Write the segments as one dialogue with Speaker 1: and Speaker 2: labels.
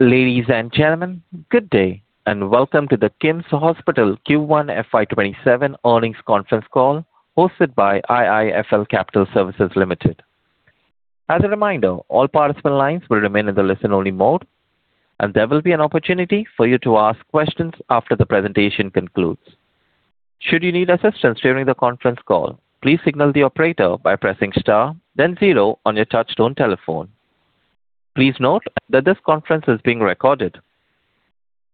Speaker 1: Ladies and gentlemen, good day, and welcome to the KIMS Hospitals Q1 FY 2027 earnings conference call hosted by IIFL Capital Services Limited. As a reminder, all participant lines will remain in the listen-only mode, and there will be an opportunity for you to ask questions after the presentation concludes. Should you need assistance during the conference call, please signal the operator by pressing star then zero on your touch-tone telephone. Please note that this conference is being recorded.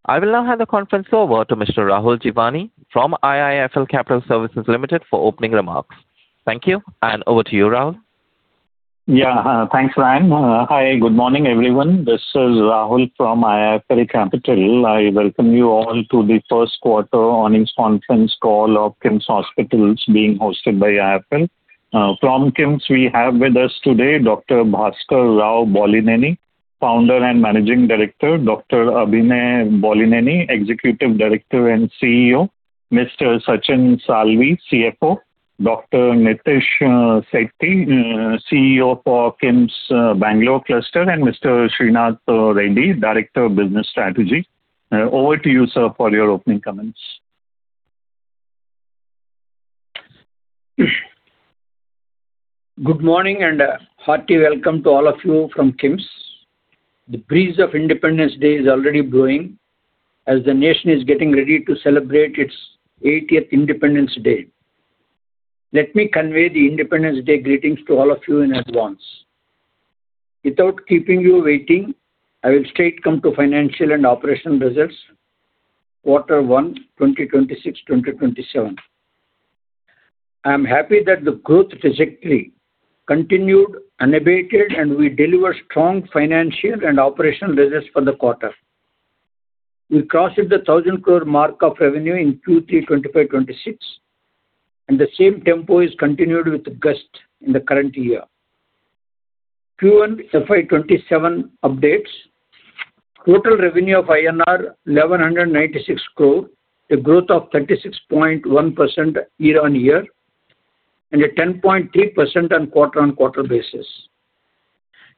Speaker 1: I will now hand the conference over to Mr. Rahul Jeewani from IIFL Capital Services Limited for opening remarks. Thank you, and over to you, Rahul.
Speaker 2: Thanks, Ryan. Hi. Good morning, everyone. This is Rahul from IIFL Capital. I welcome you all to the first quarter earnings conference call of KIMS Hospitals being hosted by IIFL. From KIMS, we have with us today Dr. Bhaskar Rao Bollineni, Founder and Managing Director, Dr. Abhinay Bollineni, Executive Director and CEO, Mr. Sachin Salvi, CFO, Dr. Nitish Shetty, CEO for KIMS Bangaluru cluster, and Mr. Sreenath Reddy, Director of Business Strategy. Over to you, sir, for your opening comments.
Speaker 3: Good morning and a hearty welcome to all of you from KIMS. The breeze of Independence Day is already blowing as the nation is getting ready to celebrate its 80th Independence Day. Let me convey the Independence Day greetings to all of you in advance. Without keeping you waiting, I will straight come to financial and operation results quarter one 2026/2027. I am happy that the growth trajectory continued unabated, and we delivered strong financial and operation results for the quarter. We crossed the 1,000 crore mark of revenue in Q3 2025/2026, and the same tempo is continued with gust in the current year. Q1 FY 2027 updates. Total revenue of INR 1,196 crore, a growth of 36.1% year-on-year and a 10.3% on quarter-on-quarter basis.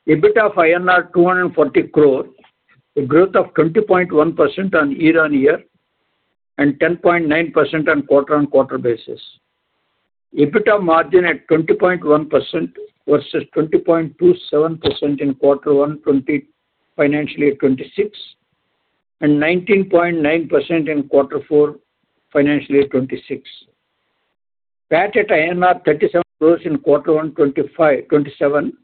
Speaker 3: EBITDA of 240 crore, a growth of 20.1% on year-on-year and 10.9% on quarter-on-quarter basis. EBITDA margin at 20.1% versus 20.27% in quarter one FY 2026 and 19.9% in quarter four FY 2026. PAT at INR 37 crores in quarter one FY 2027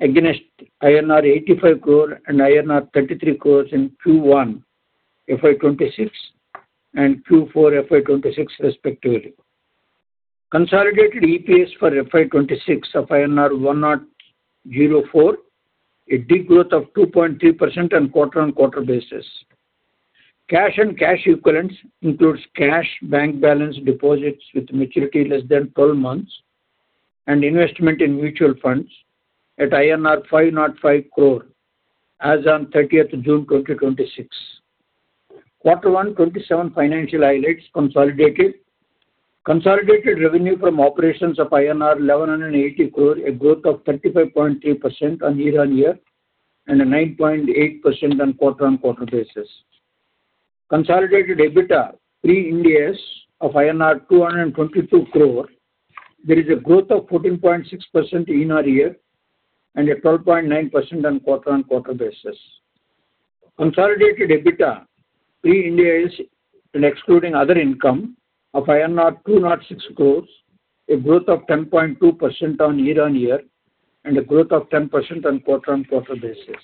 Speaker 3: against INR 85 crore and INR 33 crores in Q1 FY 2026 and Q4 FY 2026 respectively. Consolidated EPS for FY 2026 of INR 104, a deep growth of 2.3% on quarter-on-quarter basis. Cash and cash equivalents includes cash, bank balance deposits with maturity less than 12 months and investment in mutual funds at INR 505 crore as on June 30th, 2026. Quarter one 2027 financial highlights consolidated. Consolidated revenue from operations of INR 1,180 crore, a growth of 35.3% on year-on-year and a 9.8% on quarter-on-quarter basis. Consolidated EBITDA pre-Ind AS of 222 crore. There is a growth of 14.6% year-on-year and a 12.9% on quarter-on-quarter basis. Consolidated EBITDA pre-Ind AS and excluding other income of 206 crores, a growth of 10.2% on year-on-year and a growth of 10% on quarter-on-quarter basis.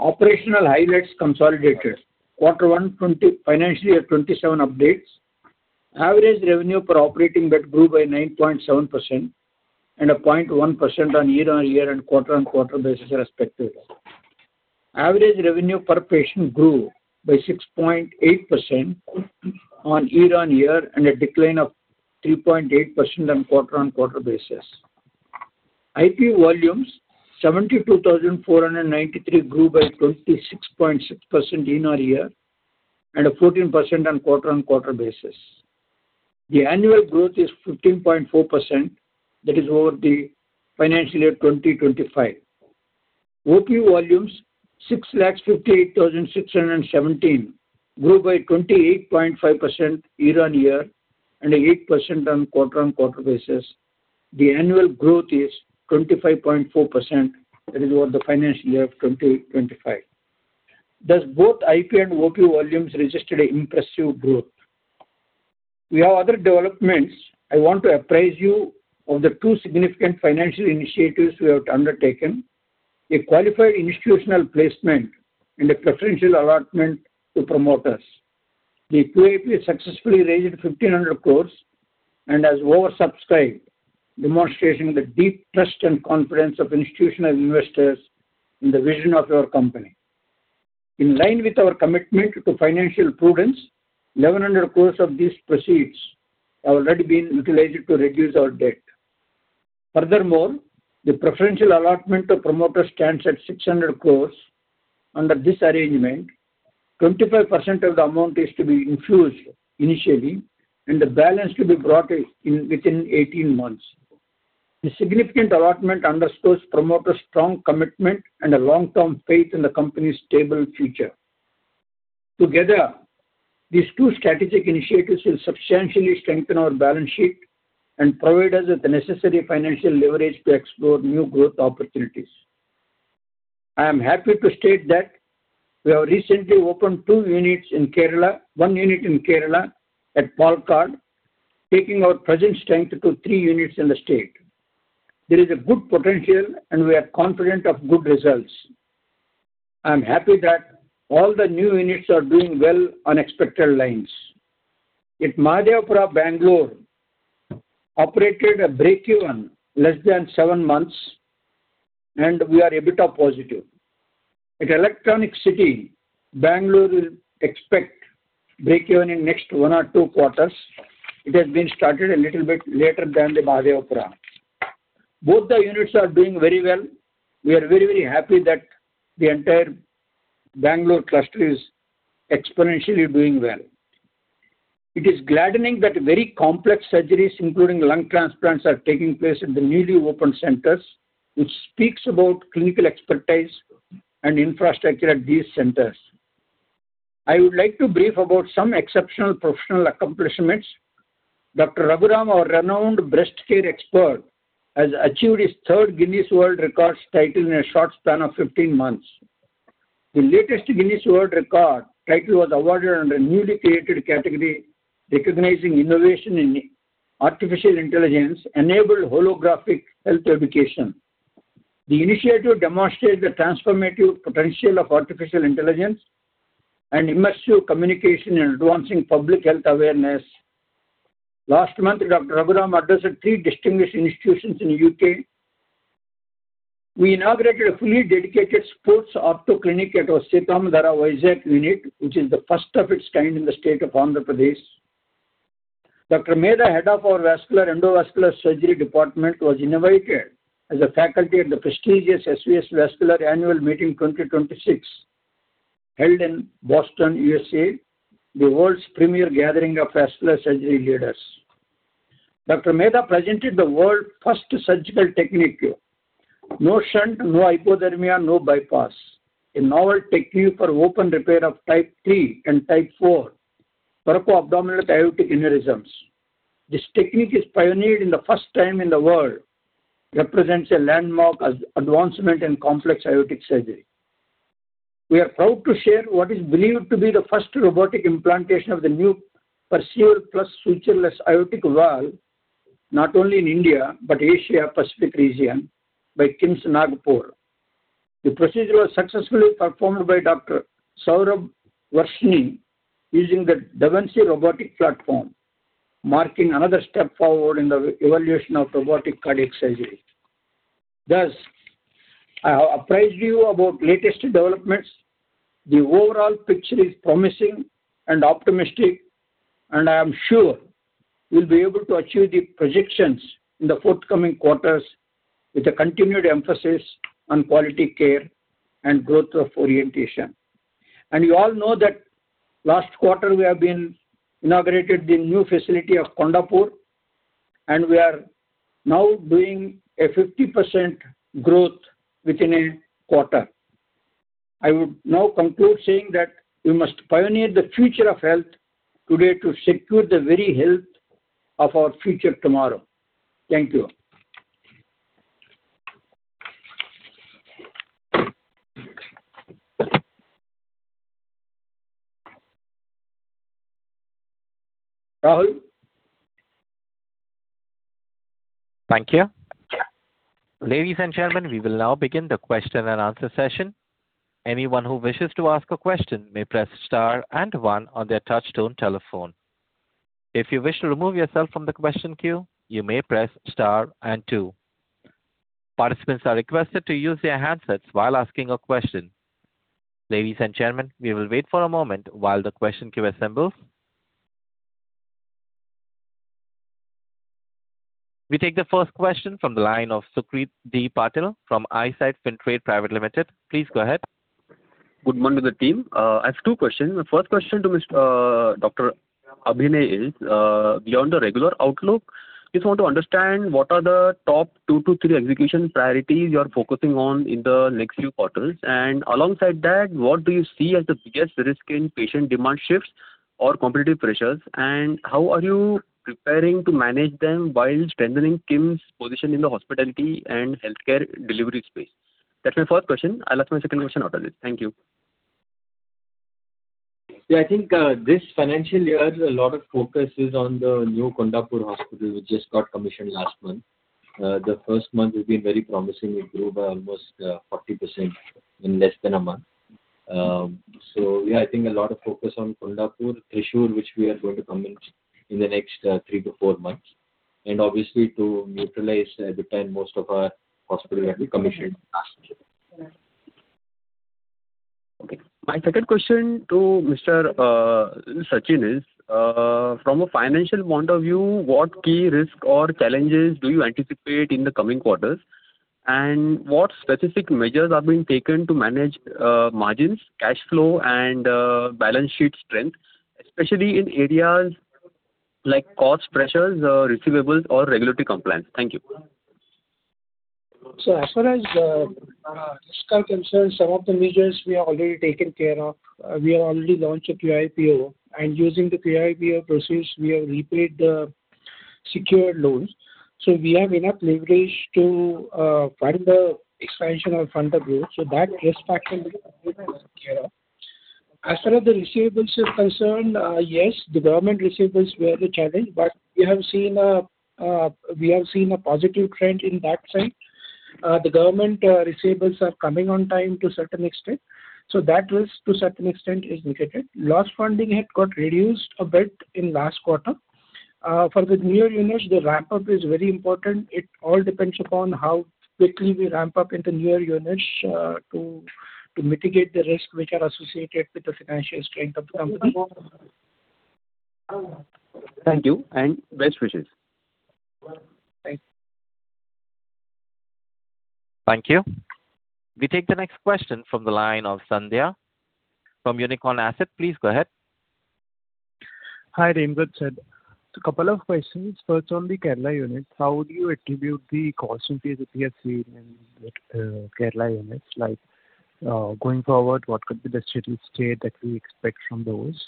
Speaker 3: Operational highlights consolidated. Quarter one financial year 2027 updates. Average revenue per operating bed grew by 9.7% and 0.1% on year-on-year and quarter-on-quarter basis respectively. Average revenue per patient grew by 6.8% on year-on-year and a decline of 3.8% on quarter-on-quarter basis. IP volumes, 72,493 grew by 26.6% year-on-year and 14% on quarter-on-quarter basis. The annual growth is 15.4%, that is over the financial year 2025. OP volumes 658,617 grew by 28.5% year-on-year and 8% on quarter-on-quarter basis. The annual growth is 25.4%, that is over the financial year 2025. Both IP and OP volumes registered impressive growth. We have other developments. I want to apprise you of the two significant financial initiatives we have undertaken. A Qualified Institutional Placement and a preferential allotment to promoters. The QIP successfully raised 1,500 crores and has oversubscribed, demonstrating the deep trust and confidence of institutional investors in the vision of our company. In line with our commitment to financial prudence, 1,100 crores of these proceeds have already been utilized to reduce our debt. Furthermore, the preferential allotment to promoters stands at 600 crores. Under this arrangement, 25% of the amount is to be infused initially and the balance to be brought in within 18 months. The significant allotment underscores promoter's strong commitment and a long-term faith in the company's stable future. These two strategic initiatives will substantially strengthen our balance sheet and provide us with the necessary financial leverage to explore new growth opportunities. I am happy to state that we have recently opened two units in Kerala, one unit in Kerala at Palakkad, taking our presence strength to three units in the state. There is a good potential, and we are confident of good results. I am happy that all the new units are doing well on expected lines. At Mahadevapura, Bengaluru operated a break-even less than seven months, and we are a bit of positive. At Electronic City, Bengaluru will expect break-even in next one or two quarters. It has been started a little bit later than the Mahadevapura. Both the units are doing very well. We are very happy that the entire Bengaluru cluster is exponentially doing well. It is gladdening that very complex surgeries, including lung transplants, are taking place in the newly opened centers, which speaks about clinical expertise and infrastructure at these centers. I would like to brief about some exceptional professional accomplishments. Dr. Raghu Ram, our renowned breast care expert, has achieved his third Guinness World Records title in a short span of 15 months. The latest Guinness World Record title was awarded under a newly created category recognizing innovation in artificial intelligence enabled holographic health education. The initiative demonstrates the transformative potential of artificial intelligence and immersive communication in advancing public health awareness. Last month, Dr. Raghu Ram addressed three distinguished institutions in the U.K. We inaugurated a fully dedicated sports ortho clinic at our [inaudible] unit, which is the first of its kind in the state of Andhra Pradesh. Dr. Mehta, head of our vascular and endovascular surgery department, was invited as a faculty at the prestigious SVS Vascular Annual Meeting 2026, held in Boston, U.S.A., the world's premier gathering of vascular surgery leaders. Dr. Mehta presented the world's first surgical technique, no shunt, no hypothermia, no bypass, a novel technique for open repair of type 3 and type 4 thoracoabdominal aortic aneurysms. This technique is pioneered in the first time in the world, represents a landmark advancement in complex aortic surgery. We are proud to share what is believed to be the first robotic implantation of the new Perceval Plus sutureless aortic valve, not only in India, but Asia-Pacific region by KIMS Nagpur. The procedure was successfully performed by Dr. Saurabh Varshney using the da Vinci robotic platform, marking another step forward in the evolution of robotic cardiac surgery. I have apprised you about latest developments. The overall picture is promising and optimistic, I am sure we'll be able to achieve the projections in the forthcoming quarters with a continued emphasis on quality care and growth of orientation. You all know that last quarter we have inaugurated the new facility of Kondapur, we are now doing a 50% growth within a quarter. I would now conclude saying that we must pioneer the future of health today to secure the very health of our future tomorrow. Thank you. Rahul.
Speaker 1: Thank you. Ladies and gentlemen, we will now begin the question and answer session. Anyone who wishes to ask a question may press star and one on their touchtone telephone. If you wish to remove yourself from the question queue, you may press star and two. Participants are requested to use their handsets while asking a question. Ladies and gentlemen, we will wait for a moment while the question queue assembles. We take the first question from the line of Sucrit D. Patil from Eyesight Fintrade Private Limited. Please go ahead.
Speaker 4: Good morning to the team. I have two questions. The first question to Dr. Abhinay is, beyond the regular outlook, just want to understand what are the top two to three execution priorities you are focusing on in the next few quarters, alongside that, what do you see as the biggest risk in patient demand shifts or competitive pressures, and how are you preparing to manage them while strengthening KIMS position in the hospitality and healthcare delivery space? That's my first question. I'll ask my second question after this. Thank you.
Speaker 5: I think this financial year, a lot of focus is on the new Kondapur hospital, which just got commissioned last month. The first month has been very promising. We grew by almost 40% in less than a month. I think a lot of focus on Kondapur, Thrissur, which we are going to commission in the next three to four months, and obviously to neutralize the time most of our hospitals that we commissioned last year.
Speaker 4: Okay. My second question to Mr. Sachin is, from a financial point of view, what key risk or challenges do you anticipate in the coming quarters? What specific measures are being taken to manage margins, cash flow, and balance sheet strength, especially in areas like cost pressures or receivables or regulatory compliance? Thank you.
Speaker 6: As far as risk are concerned, some of the measures we have already taken care of. We have already launched a QIP, using the QIP process, we have repaid the secured loans. We have enough leverage to fund the expansion or fund the growth. That risk factor will be completely taken care of. As far as the receivables are concerned, yes, the government receivables were a challenge, we have seen a positive trend in that side. The government receivables are coming on time to a certain extent. That risk, to a certain extent, is mitigated. Last funding had got reduced a bit in last quarter. For the newer units, the ramp-up is very important. It all depends upon how quickly we ramp up in the newer units to mitigate the risks which are associated with the financial strength of the company.
Speaker 4: Thank you, and best wishes.
Speaker 6: Thanks.
Speaker 1: Thank you. We take the next question from the line of Sandhya from Unicorn Asset. Please go ahead.
Speaker 7: Hi. [inaudible] A couple of questions. First, on the Kerala units, how would you attribute the cost increase that we have seen in the Kerala units? Going forward, what could be the steady state that we expect from those?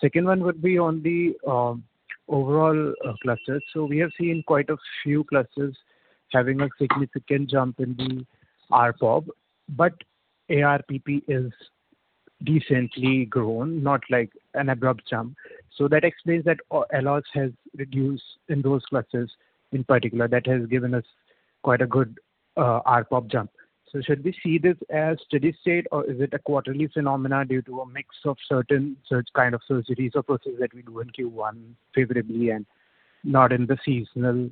Speaker 7: Second one would be on the overall clusters. We have seen quite a few clusters having a significant jump in the ARPOB, but ARPP is decently grown, not like an abrupt jump. That explains that ALOS has reduced in those clusters in particular, that has given us quite a good ARPOB jump. Should we see this as steady state, or is it a quarterly phenomenon due to a mix of certain kind of surgeries or procedures that we do in Q1 favorably and not in the seasonal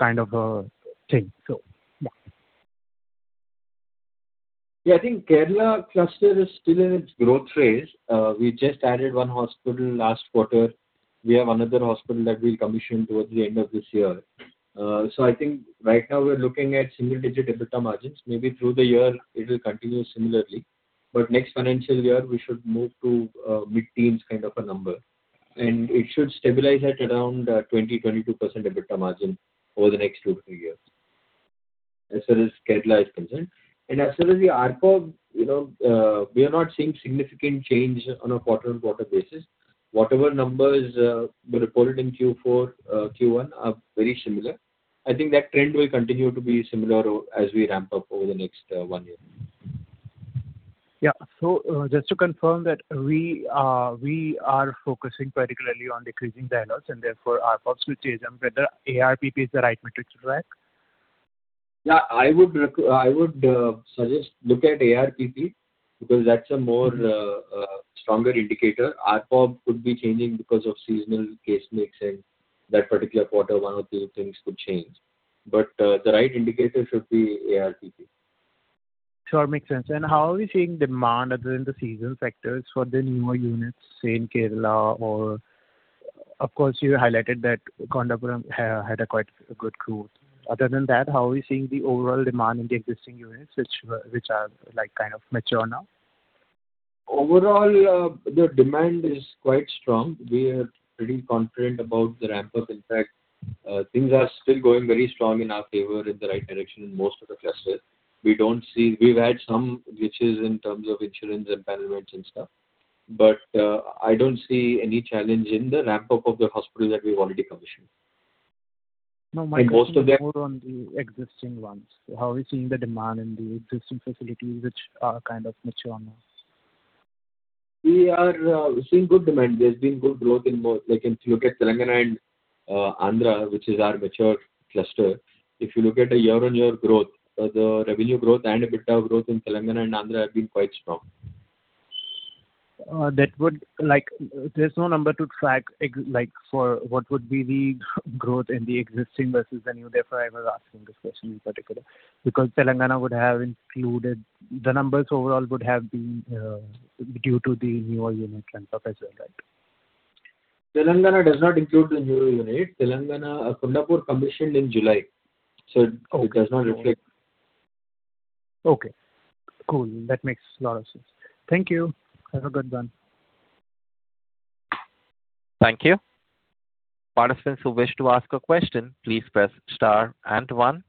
Speaker 7: kind of a thing?
Speaker 5: I think Kerala cluster is still in its growth phase. We just added one hospital last quarter. We have another hospital that we'll commission towards the end of this year. I think right now we're looking at single-digit EBITDA margins. Maybe through the year it will continue similarly, but next financial year, we should move to mid-teens kind of a number. It should stabilize at around 20%, 22% EBITDA margin over the next two to three years, as far as Kerala is concerned. As far as the ARPOB, we are not seeing significant change on a quarter-on-quarter basis. Whatever numbers were reported in Q4, Q1 are very similar. I think that trend will continue to be similar as we ramp up over the next one year.
Speaker 7: Yeah. Just to confirm that we are focusing particularly on decreasing diagnosis, and therefore ARPOBs will change, and whether ARPP is the right metric to track.
Speaker 5: Yeah. I would suggest look at ARPP because that's a more stronger indicator. ARPOB could be changing because of seasonal case mix in that particular quarter, one or two things could change. The right indicator should be ARPP.
Speaker 7: Sure, makes sense. How are we seeing demand other than the seasonal factors for the newer units, say, in Kerala or Of course, you highlighted that Kondapur had a quite good growth. Other than that, how are we seeing the overall demand in the existing units, which are kind of mature now?
Speaker 5: Overall, the demand is quite strong. We are pretty confident about the ramp-up. In fact, things are still going very strong in our favor in the right direction in most of the clusters. We've had some glitches in terms of insurance and empanelment rates and stuff. I don't see any challenge in the ramp-up of the hospital that we've already commissioned. Most of them
Speaker 7: No, my question is more on the existing ones. How are we seeing the demand in the existing facilities which are kind of mature now?
Speaker 5: We are seeing good demand. There's been good growth in both. If you look at Telangana and Andhra, which is our mature cluster, if you look at a year-on-year growth, the revenue growth and EBITDA growth in Telangana and Andhra have been quite strong.
Speaker 7: There's no number to track for what would be the growth in the existing versus the new. Therefore, I was asking this question in particular, because the numbers overall would have been due to the newer units and stuff as well, right?
Speaker 5: Telangana does not include the newer unit. Kondapur commissioned in July, so it does not reflect.
Speaker 7: Okay. Cool. That makes a lot of sense. Thank you. Have a good one.
Speaker 1: Thank you. Participants who wish to ask a question, please press star and one.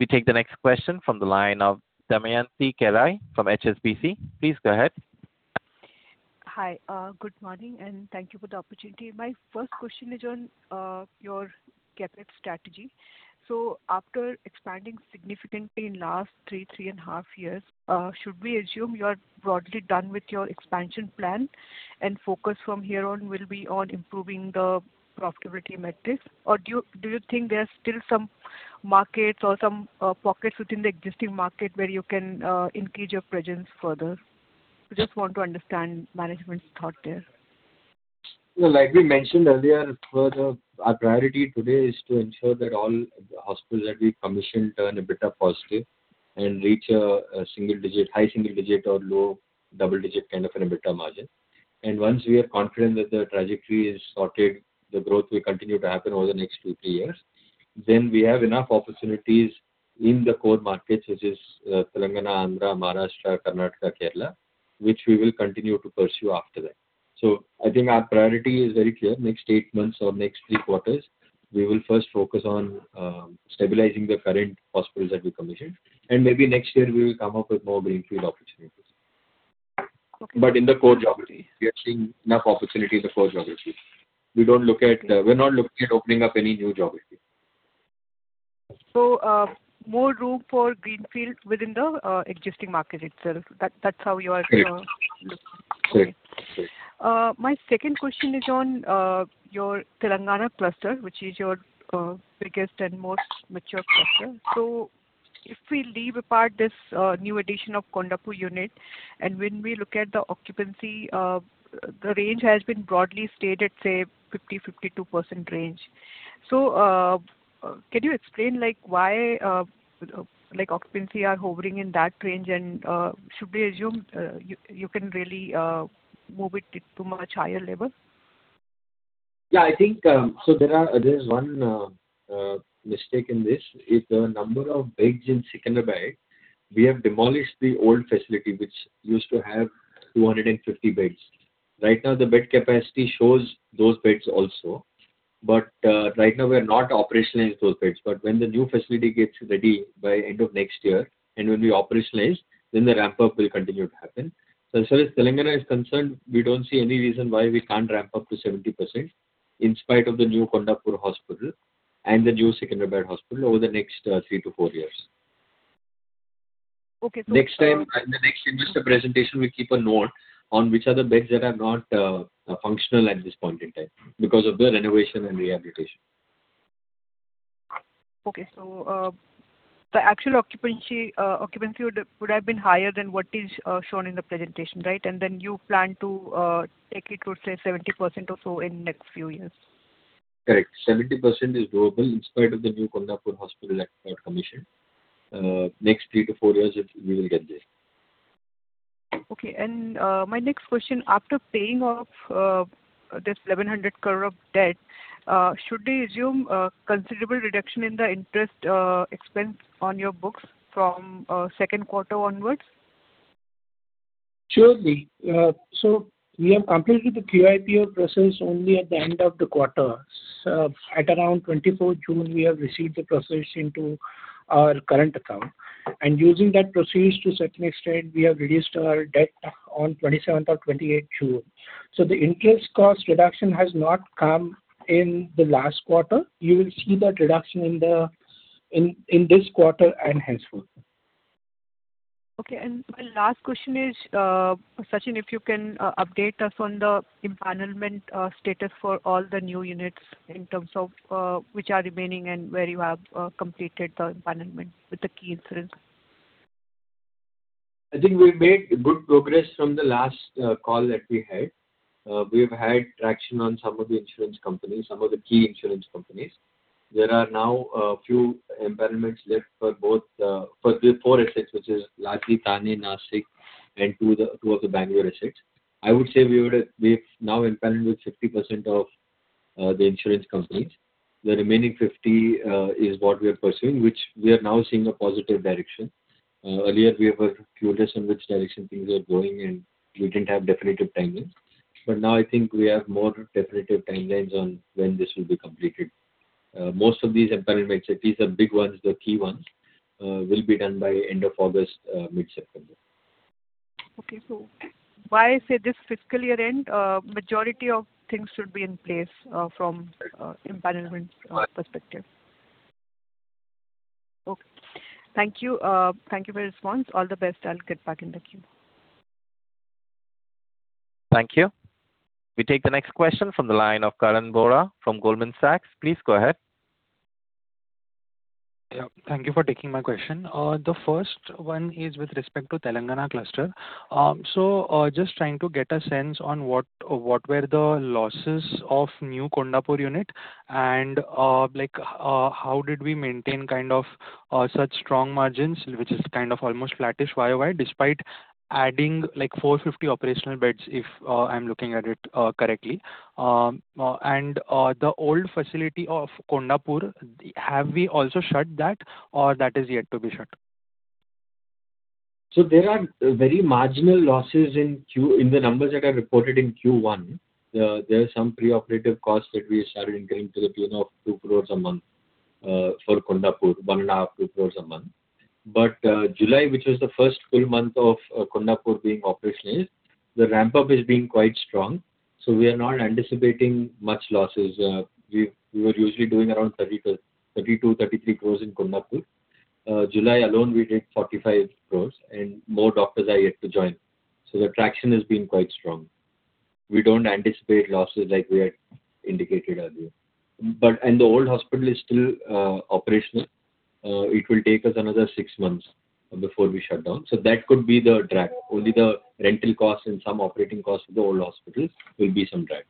Speaker 1: We take the next question from the line of Damayanti Kerai from HSBC. Please go ahead.
Speaker 8: Hi. Good morning, and thank you for the opportunity. My first question is on your CapEx strategy. After expanding significantly in last three and a half years, should we assume you are broadly done with your expansion plan, and focus from here on will be on improving the profitability metrics? Do you think there are still some markets or some pockets within the existing market where you can increase your presence further? I just want to understand management's thought there.
Speaker 5: Like we mentioned earlier, further, our priority today is to ensure that all hospitals that we commission turn EBITDA positive and reach a high single-digit or low double-digit kind of an EBITDA margin. Once we are confident that the trajectory is sorted, the growth will continue to happen over the next two, three years. We have enough opportunities in the core markets, which is Telangana, Andhra, Maharashtra, Karnataka, Kerala, which we will continue to pursue after that. I think our priority is very clear. Next eight months or next three quarters, we will first focus on stabilizing the current hospitals that we commissioned, and maybe next year we will come up with more greenfield opportunities.
Speaker 8: Okay.
Speaker 5: In the core geography, we are seeing enough opportunity in the core geography. We are not looking at opening up any new geography.
Speaker 8: More room for greenfield within the existing market itself. That is how you are-
Speaker 5: Correct.
Speaker 8: Looking.
Speaker 5: Correct.
Speaker 8: My second question is on your Telangana cluster, which is your biggest and most mature cluster. If we leave apart this new addition of Kondapur unit, and when we look at the occupancy, the range has been broadly stated, say, 50%-52% range. Can you explain why occupancy are hovering in that range and should we assume you can really move it to much higher level?
Speaker 5: I think there is one mistake in this. With the number of beds in Secunderabad, we have demolished the old facility, which used to have 250 beds. Right now, the bed capacity shows those beds also. Right now we have not operationalized those beds. When the new facility gets ready by end of next year, and when we operationalize, then the ramp-up will continue to happen. As far as Telangana is concerned, we do not see any reason why we cannot ramp up to 70%, in spite of the new Kondapur hospital and the new Secunderabad hospital over the next three to four years.
Speaker 8: Okay.
Speaker 5: Next time, in the next investor presentation, we keep a note on which are the beds that are not functional at this point in time because of the renovation and rehabilitation.
Speaker 8: Okay. The actual occupancy would have been higher than what is shown in the presentation, right? Then you plan to take it to, say, 70% or so in next few years.
Speaker 5: Correct. 70% is doable in spite of the new Kondapur hospital that got commissioned. Next three to four years, we will get there.
Speaker 8: Okay. My next question, after paying off this 1,100 crore of debt, should we assume considerable reduction in the interest expense on your books from second quarter onwards?
Speaker 6: We have completed the QIP process only at the end of the quarter. At around 24th June, we have received the proceeds into our current account. Using that proceeds to a certain extent, we have reduced our debt on 27th or 28th June. The interest cost reduction has not come in the last quarter. You will see that reduction in this quarter and henceforth.
Speaker 8: Okay. My last question is, Sachin, if you can update us on the empanelment status for all the new units in terms of which are remaining and where you have completed the empanelment with the key insurance.
Speaker 6: I think we've made good progress from the last call that we had. We've had traction on some of the insurance companies, some of the key insurance companies. There are now a few empanelments left for the four assets, which is Latur, Thane, Nashik, and two of the Bengaluru assets. I would say we have now empaneled with 50% of the insurance companies. The remaining 50 is what we are pursuing, which we are now seeing a positive direction. Earlier, we were curious in which direction things were going, and we didn't have definitive timelines. Now I think we have more definitive timelines on when this will be completed. Most of these empanelments sets, these are big ones, the key ones, will be done by end of August, mid-September.
Speaker 8: Okay. By, say, this fiscal year end, majority of things should be in place from empanelments perspective. Okay. Thank you. Thank you for your response. All the best. I'll get back in the queue.
Speaker 1: Thank you. We take the next question from the line of Karan Vora from Goldman Sachs. Please go ahead.
Speaker 9: Yeah, thank you for taking my question. The first one is with respect to Telangana cluster. Just trying to get a sense on what were the losses of new Kondapur unit and how did we maintain such strong margins, which is almost flattish year-over-year, despite adding 450 operational beds, if I'm looking at it correctly. The old facility of Kondapur, have we also shut that or that is yet to be shut?
Speaker 5: There are very marginal losses in the numbers that are reported in Q1. There is some preoperative costs that we started incurring to the tune of 2 crores a month for Kondapur, 1.5 crores, 2 crores a month. July, which was the first full month of Kondapur being operational, the ramp-up is being quite strong, we are not anticipating much losses. We were usually doing around 32, 33 crores in Kondapur. July alone, we did 45 crores, and more doctors are yet to join. The traction has been quite strong. We don't anticipate losses like we had indicated earlier. The old hospital is still operational. It will take us another six months before we shut down. That could be the drag. Only the rental costs and some operating costs of the old hospitals will be some drag.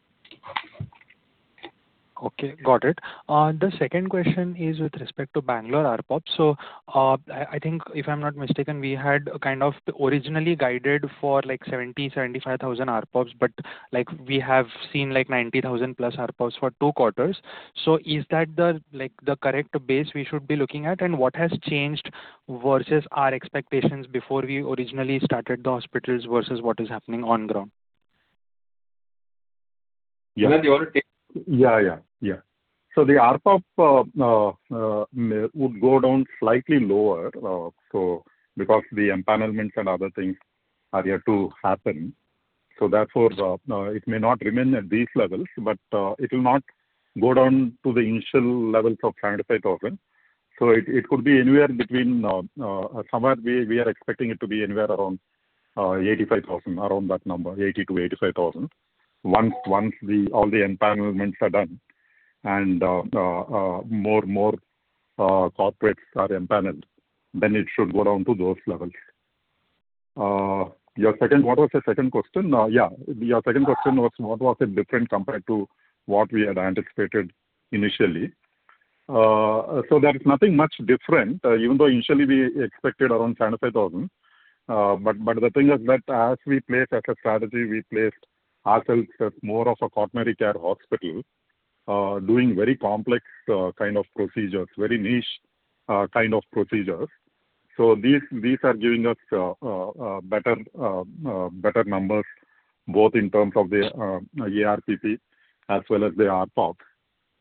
Speaker 9: Okay, got it. The second question is with respect to Bengaluru ARPOB. I think, if I'm not mistaken, we had kind of originally guided for 70,000, 75,000 ARPOB, but we have seen 90,000+ ARPOB for two quarters. Is that the correct base we should be looking at? What has changed versus our expectations before we originally started the hospitals versus what is happening on ground?
Speaker 10: Yeah.
Speaker 5: Sreenath, do you want to take-
Speaker 10: Yeah. The ARPOB would go down slightly lower because the empanelments and other things are yet to happen. Therefore, it may not remain at these levels, but it will not go down to the initial levels of 75,000. It could be anywhere between Somewhere we are expecting it to be anywhere around 85,000, around that number, 80,000-85,000. Once all the empanelments are done and more corporates are empaneled, it should go down to those levels. What was your second question? Your second question was what was different compared to what we had anticipated initially. There is nothing much different, even though initially we expected around 75,000. The thing is that as we place as a strategy, we placed ourselves as more of a quaternary care hospital doing very complex kind of procedures, very niche kind of procedures. These are giving us better numbers, both in terms of the ARPP as well as the ARPOB.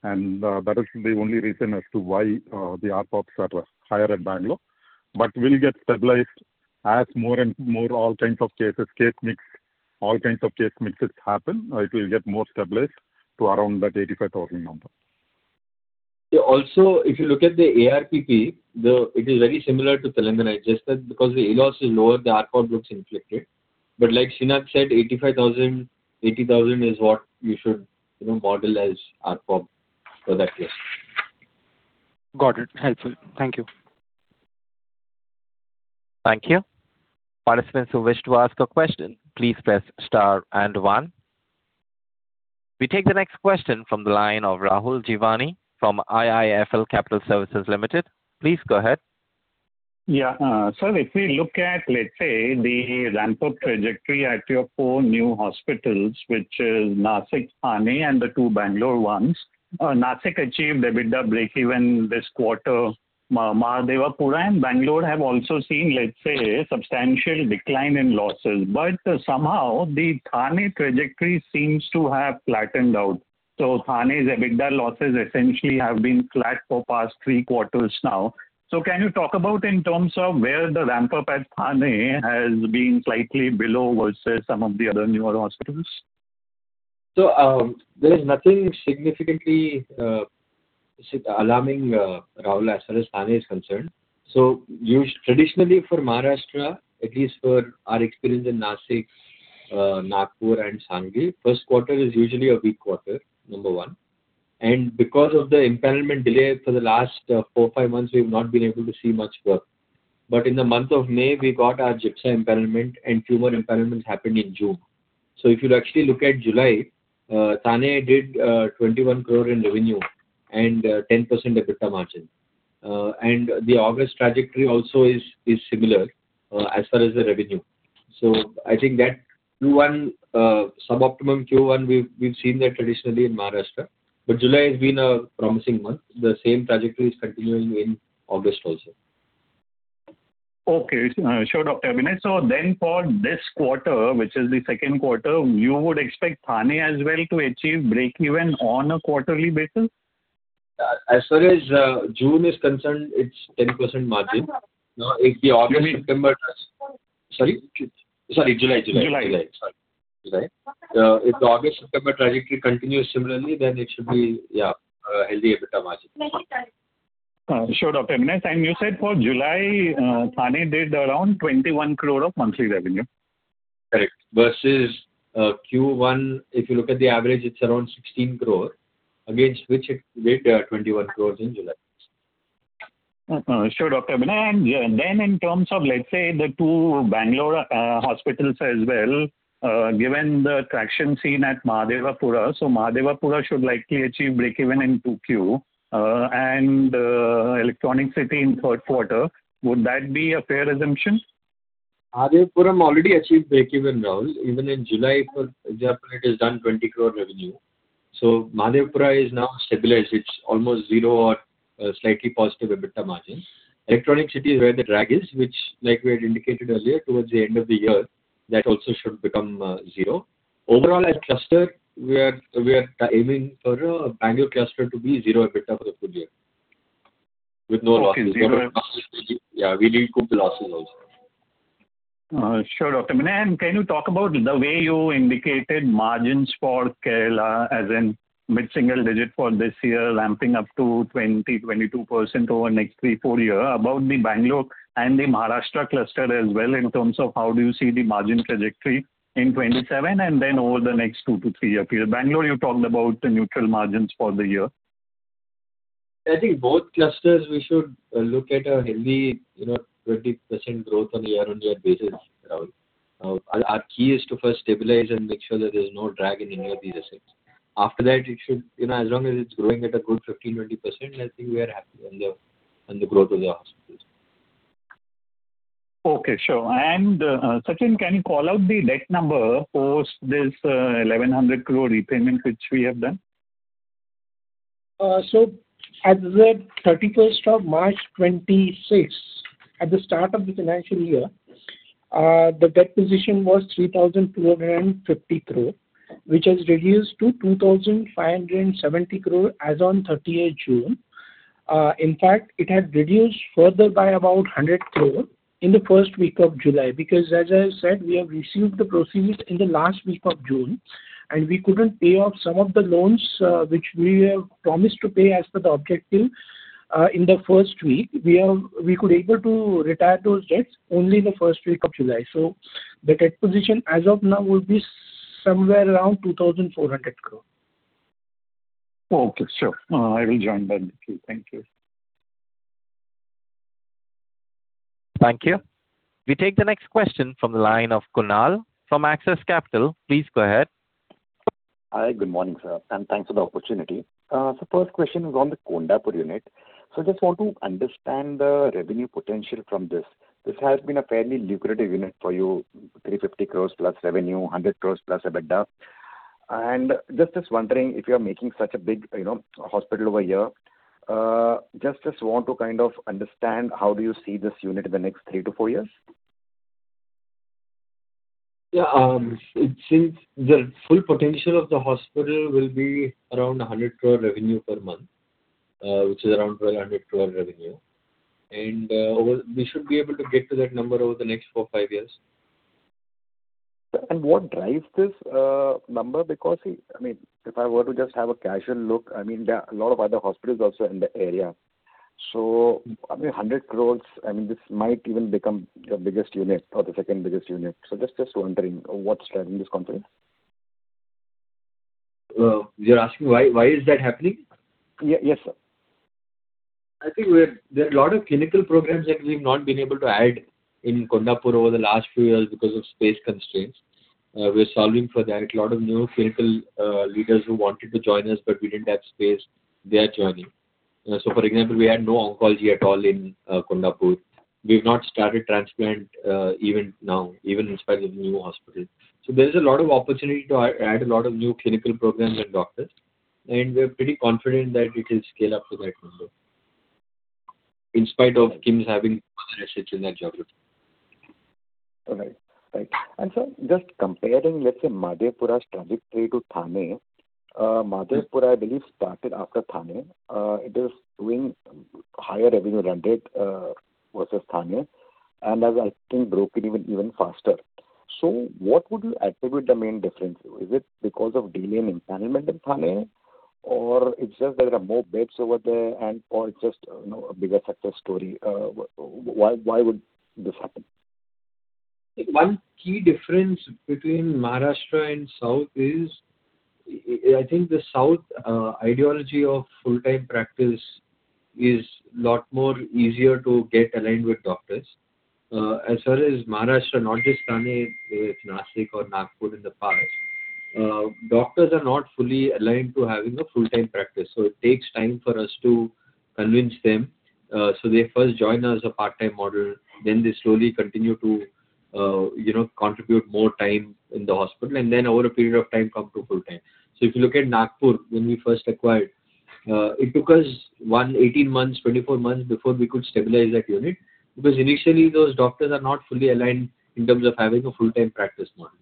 Speaker 10: That is the only reason as to why the ARPOB are higher at Bengaluru. Will get stabilized as more and more all kinds of case mix happen, it will get more stabilized to around that 85,000 number.
Speaker 5: Also, if you look at the ARPP, it is very similar to Telangana. It's just that because the loss is lower, the ARPOB looks inflated. Like Sreenath said, 85,000, 80,000 is what you should model as ARPOB for that case.
Speaker 9: Got it. Helpful. Thank you.
Speaker 1: Thank you. Participants who wish to ask a question, please press star and one. We take the next question from the line of Rahul Jeewani from IIFL Capital Services Limited. Please go ahead.
Speaker 2: Yeah. Sir, if we look at, let's say, the ramp-up trajectory at your four new hospitals, which is Nashik, Thane, and the two Bengaluru ones. Nashik achieved EBITDA breakeven this quarter. Mahadevapura and Bengaluru have also seen, let's say, substantial decline in losses. Somehow the Thane trajectory seems to have flattened out. Thane's EBITDA losses essentially have been flat for past three quarters now. Can you talk about in terms of where the ramp-up at Thane has been slightly below versus some of the other newer hospitals?
Speaker 5: There is nothing significantly alarming, Rahul, as far as Thane is concerned. Traditionally for Maharashtra, at least for our experience in Nashik, Nagpur and Sangli, first quarter is usually a weak quarter, number one. Because of the empanelment delay for the last four, five months, we've not been able to see much work. In the month of May, we got our [inaudible] empanelment and tumor empanelment happened in June. If you actually look at July, Thane did 21 crore in revenue and 10% EBITDA margin. The August trajectory also is similar as far as the revenue. I think that Q1, suboptimal Q1, we've seen that traditionally in Maharashtra. July has been a promising month. The same trajectory is continuing in August also.
Speaker 2: Okay. Sure, Dr. Abhinay. For this quarter, which is the second quarter, you would expect Thane as well to achieve breakeven on a quarterly basis?
Speaker 5: As far as June is concerned, it's 10% margin. If the August, September. Sorry? Sorry, July. If the August, September trajectory continues similarly, it should be, yeah, healthy EBITDA margin.
Speaker 2: Sure, Dr. Abhinay. You said for July, Thane did around 21 crore of monthly revenue.
Speaker 5: Correct. Versus Q1, if you look at the average, it's around 16 crore, against which it did 21 crore in July.
Speaker 2: Sure, Dr. Abhinay. Then in terms of, let's say, the two Bengaluru hospitals as well, given the traction seen at Mahadevapura. Mahadevapura should likely achieve breakeven in 2Q and Electronic City in third quarter. Would that be a fair assumption?
Speaker 5: Mahadevapura already achieved breakeven, Rahul. Even in July, for example, it has done 20 crore revenue. Mahadevapura is now stabilized. It's almost zero or slightly positive EBITDA margin. Electronic City is where the drag is, which like we had indicated earlier, towards the end of the year, that also should become zero. Overall, as cluster, we are aiming for a Bengaluru cluster to be zero EBITDA for the full year, with no losses. Yeah, we need to cook the losses also.
Speaker 2: Sure, Dr. Abhinay. Can you talk about the way you indicated margins for Kerala as in mid single-digit for this year, ramping up to 20%-22% over next three, four year. About the Bengaluru and the Maharashtra cluster as well in terms of how do you see the margin trajectory in 2027 and then over the next two to three-year period. Bengaluru, you talked about the neutral margins for the year.
Speaker 5: I think both clusters we should look at a healthy 20% growth on a year-on-year basis, Rahul. Our key is to first stabilize and make sure that there's no drag in any of these assets. After that, as long as it's growing at a good 15%-20%, I think we are happy on the growth of the hospitals.
Speaker 2: Okay, sure. Sachin, can you call out the debt number post this 1,100 crore repayment which we have done?
Speaker 6: As of March 31st, 2026, at the start of the financial year, the debt position was 3,250 crore, which has reduced to 2,570 crore as on June 30th. In fact, it has reduced further by about 100 crore in the first week of July, because as I said, we have received the proceeds in the last week of June, and we couldn't pay off some of the loans which we have promised to pay as per the objective in the first week. We could able to retire those debts only in the first week of July. The debt position as of now will be somewhere around 2,400 crore.
Speaker 2: Okay, sure. I will join the queue. Thank you.
Speaker 1: Thank you. We take the next question from the line of Kunal from Axis Capital. Please go ahead.
Speaker 11: Hi, good morning sir, and thanks for the opportunity. First question is on the Kondapur unit. I just want to understand the revenue potential from this. This has been a fairly lucrative unit for you, 350 crore plus revenue, 100 crore plus EBITDA. Just was wondering if you're making such a big hospital over here, just want to kind of understand how do you see this unit in the next three to four years?
Speaker 5: The full potential of the hospital will be around 100 crore revenue per month, which is around 1,200 crore revenue. We should be able to get to that number over the next four, five years.
Speaker 11: What drives this number? Because, if I were to just have a casual look, there are a lot of other hospitals also in the area. I mean, 100 crore, this might even become your biggest unit or the second biggest unit. Just was wondering what's driving this confidence.
Speaker 5: You're asking why is that happening?
Speaker 11: Yes, sir.
Speaker 5: I think there are a lot of clinical programs that we've not been able to add in Kondapur over the last few years because of space constraints. We're solving for that. A lot of new clinical leaders who wanted to join us, but we didn't have space, they are joining. For example, we had no oncology at all in Kondapur. We've not started transplant even now, even in spite of the new hospital. There is a lot of opportunity to add a lot of new clinical programs and doctors, and we're pretty confident that it will scale up to that number in spite of KIMS having other assets in that geography.
Speaker 11: All right. Thank you. Sir, just comparing, let's say Mahadevapura's trajectory to Thane. Mahadevapura I believe started after Thane. It is doing higher revenue run rate versus Thane, and has I think broken even faster. What would you attribute the main difference? Is it because of delay in empanelments in Thane, or it's just that there are more beds over there, or it's just a bigger success story. Why would this happen?
Speaker 5: One key difference between Maharashtra and South is, I think the South ideology of full-time practice is lot more easier to get aligned with doctors. As far as Maharashtra, not just Thane, if Nashik or Nagpur in the past, doctors are not fully aligned to having a full-time practice. It takes time for us to convince them. They first join us a part-time model, then they slowly continue to contribute more time in the hospital, and then over a period of time come to full-time. If you look at Nagpur, when we first acquired, it took us 18 months, 24 months before we could stabilize that unit, because initially those doctors are not fully aligned in terms of having a full-time practice model.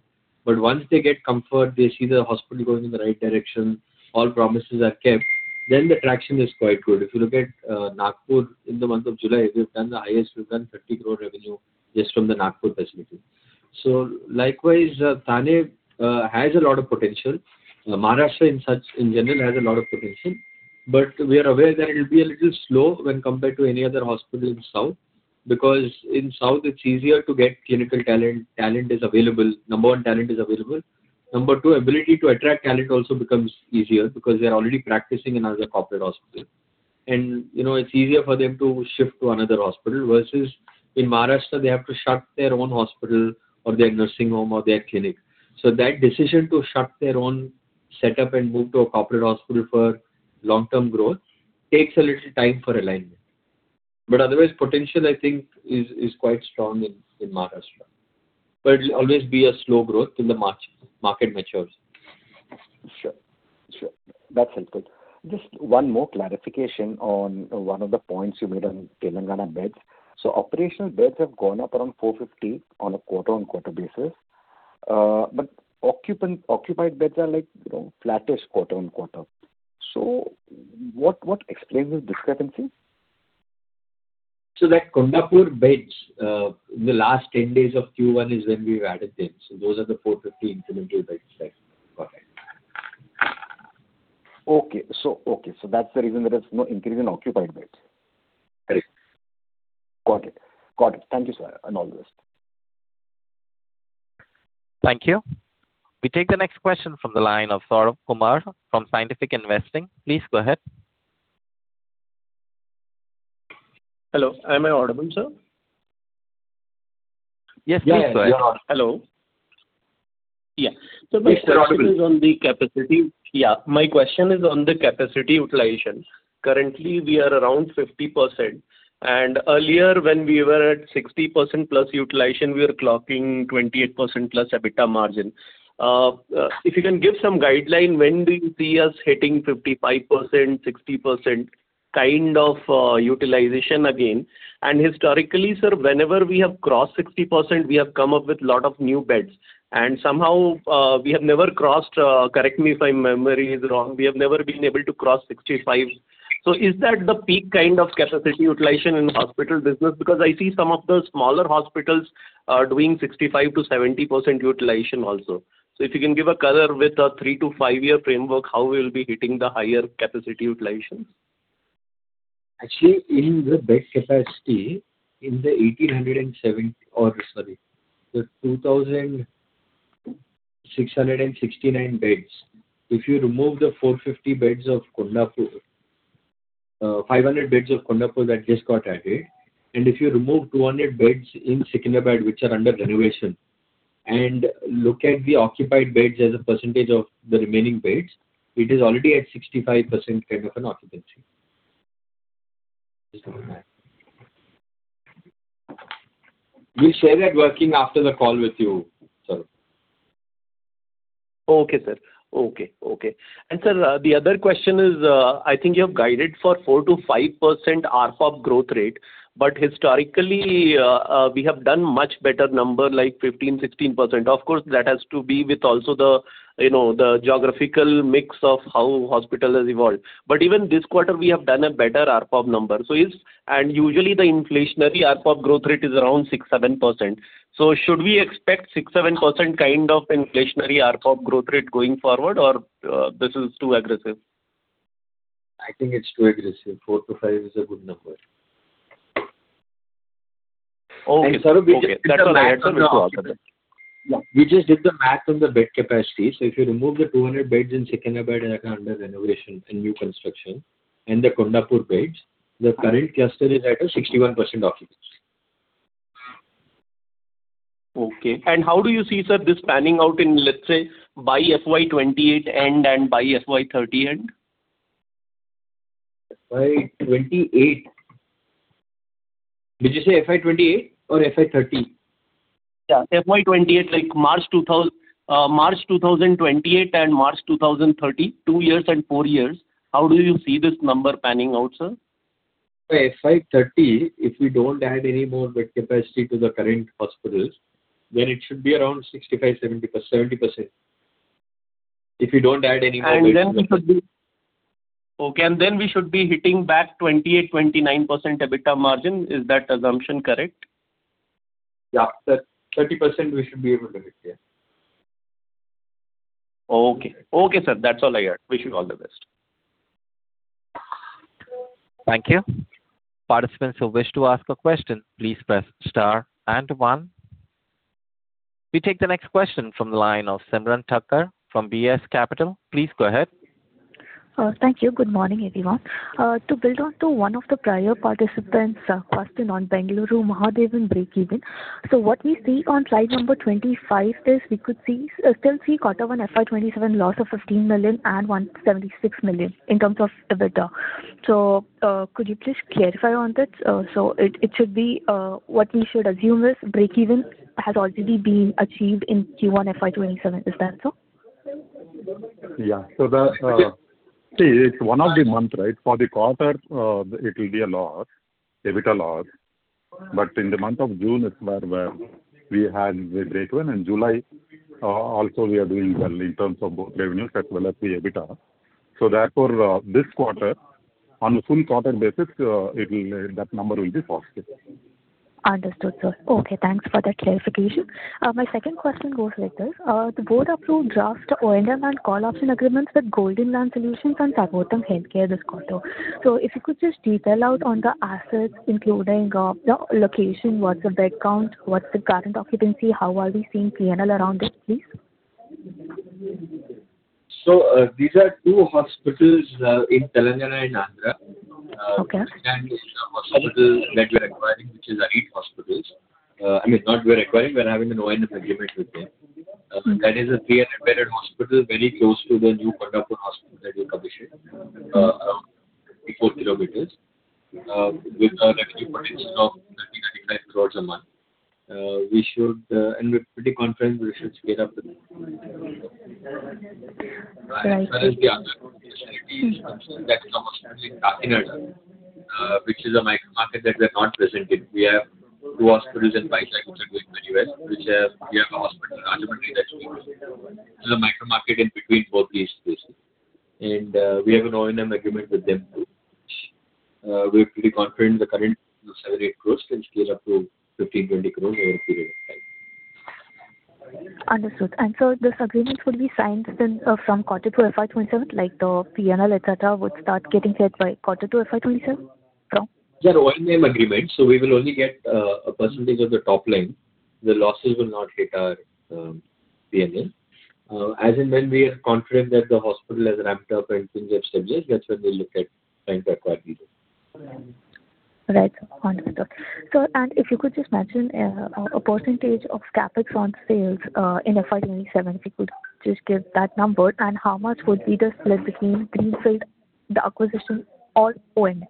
Speaker 5: Once they get comfort, they see the hospital going in the right direction, all promises are kept, then the traction is quite good. If you look at Nagpur in the month of July, we've done the highest, we've done 30 crore revenue just from the Nagpur facility. Likewise, Thane has a lot of potential. Maharashtra in general has a lot of potential, but we are aware that it will be a little slow when compared to any other hospital in South, because in South it's easier to get clinical talent. Talent is available. Number one, talent is available. Number two, ability to attract talent also becomes easier because they're already practicing in other corporate hospitals. It's easier for them to shift to another hospital versus in Maharashtra, they have to shut their own hospital or their nursing home or their clinic. That decision to shut their own setup and move to a corporate hospital for long-term growth takes a little time for alignment. Otherwise, potential I think is quite strong in Maharashtra. It'll always be a slow growth till the market matures.
Speaker 11: Sure. That's helpful. Just one more clarification on one of the points you made on Telangana beds. Operational beds have gone up around 450 on a quarter-on-quarter basis. Occupied beds are flattish quarter-on-quarter. What explains this discrepancy?
Speaker 5: That Kondapur beds, in the last 10 days of Q1 is when we've added them. Those are the 450 incremental beds there.
Speaker 11: Got it. Okay. That's the reason there is no increase in occupied beds.
Speaker 5: Correct.
Speaker 11: Got it. Thank you, sir. All the best.
Speaker 1: Thank you. We take the next question from the line of Saurabh Kumar from Scientific Investing. Please go ahead.
Speaker 12: Hello. Am I audible, sir?
Speaker 1: Yes, please go ahead.
Speaker 12: Hello. Yeah.
Speaker 1: Yes, sir. Audible.
Speaker 12: My question is on the capacity utilization. Currently, we are around 50%, and earlier when we were at 60%+ utilization, we were clocking 28%+ EBITDA margin. If you can give some guideline, when do you see us hitting 55%, 60% kind of utilization again? Historically, sir, whenever we have crossed 60%, we have come up with lot of new beds, and somehow we have never crossed, correct me if my memory is wrong, we have never been able to cross 65. Is that the peak kind of capacity utilization in hospital business? Because I see some of the smaller hospitals are doing 65%-70% utilization also. If you can give a color with a three- to five-year framework, how we'll be hitting the higher capacity utilization.
Speaker 10: Actually, in the bed capacity, in the 2,669 beds. If you remove the 450 beds of Kondapur, 500 beds of Kondapur that just got added, and if you remove 200 beds in Secunderabad, which are under renovation, and look at the occupied beds as a percentage of the remaining beds, it is already at 65% kind of an occupancy. We'll share that working after the call with you, sir.
Speaker 12: Okay, sir. Sir, the other question is, I think you have guided for 4%-5% ARPOB growth rate. Historically, we have done much better number like 15%, 16%. Of course, that has to be with also the geographical mix of how hospital has evolved. Even this quarter we have done a better ARPOB number. Usually the inflationary ARPOB growth rate is around 6%, 7%. Should we expect 6%, 7% kind of inflationary ARPOB growth rate going forward or this is too aggressive?
Speaker 10: I think it's too aggressive. 4%-5% is a good number.
Speaker 12: That's all I had, sir.
Speaker 10: We just did the math on the bed capacity. If you remove the 200 beds in Secunderabad that are under renovation and new construction, and the Kondapur beds, the current cluster is at a 61% occupancy.
Speaker 12: How do you see, sir, this panning out in, let's say, by FY 2028 end and by FY 2030 end?
Speaker 10: By 2028. Did you say FY 2028 or FY 2030?
Speaker 12: FY 2028 like March 2028 and March 2030, two years and four years. How do you see this number panning out, sir?
Speaker 10: By FY 2030, if we don't add any more bed capacity to the current hospitals, it should be around 65%, 70%. If we don't add any more bed capacity.
Speaker 12: Okay. We should be hitting back 28%, 29% EBITDA margin. Is that assumption correct?
Speaker 10: Yeah. 30% we should be able to hit. Yeah.
Speaker 12: Okay, sir. That's all I had. Wish you all the best.
Speaker 1: Thank you. Participants who wish to ask a question, please press star and one. We take the next question from the line of Simran Thakkar from Beas Capital. Please go ahead.
Speaker 13: Thank you. Good morning, everyone. To build on to one of the prior participant's question on Bengaluru Mahadevapura breakeven. What we see on slide number 25 is we could still see quarter one FY 2027 loss of 15 million and 176 million in terms of EBITDA. Could you please clarify on that? It should be, what we should assume is breakeven has already been achieved in Q1 FY 2027. Is that so?
Speaker 10: Yeah. See, it's one of the months, right? For the quarter, it will be a loss, EBITDA loss. In the month of June is where we had the breakeven. In July, also we are doing well in terms of both revenues as well as the EBITDA. Therefore, this quarter, on a full quarter basis, that number will be positive.
Speaker 13: Understood, sir. Okay, thanks for that clarification. My second question goes like this. The board approved draft O&M and call option agreements with Golden Lan Solutions Private Limited and Sarvam Healthcare this quarter. If you could just detail out on the assets, including the location, what's the bed count, what's the current occupancy, how are we seeing P&L around it, please?
Speaker 10: These are two hospitals in Telangana and Andhra.
Speaker 13: Okay.
Speaker 10: These are hospitals that we're acquiring, which is eight hospitals. I mean, not we're acquiring, we're having an O&M agreement with them. That is a 300-bedded hospital very close to the new Kondapur hospital that we're commissioning, around 54 kilometers, with a revenue potential of 30 crores-35 crores a month. We're pretty confident we should scale up to. As far as the other facility is concerned, that's almost in Karnataka, which is a micro market that we're not present in. We have two hospitals in Vizag which are doing very well. We have a hospital in Rajahmundry that's doing well. It's a micro market in between both these places. We have an O&M agreement with them too. We're pretty confident the current revenue is 7 crores-8 crores, can scale up to 15 crores-20 crores over a period of time.
Speaker 13: Understood. Sir, this agreement will be signed then from quarter two FY 2027, like the P&L, et cetera, would start getting hit by quarter two FY 2027?
Speaker 5: From their O&M agreement. We will only get a percentage of the top line. The losses will not hit our P&L. As and when we are confident that the hospital has ramped up and things have stabilized, that's when we look at time to acquire these.
Speaker 13: Right. Understood. Sir, if you could just mention a percentage of CapEx on sales in FY 2027, if you could just give that number. How much would be the significant greenfield, the acquisition on O&M?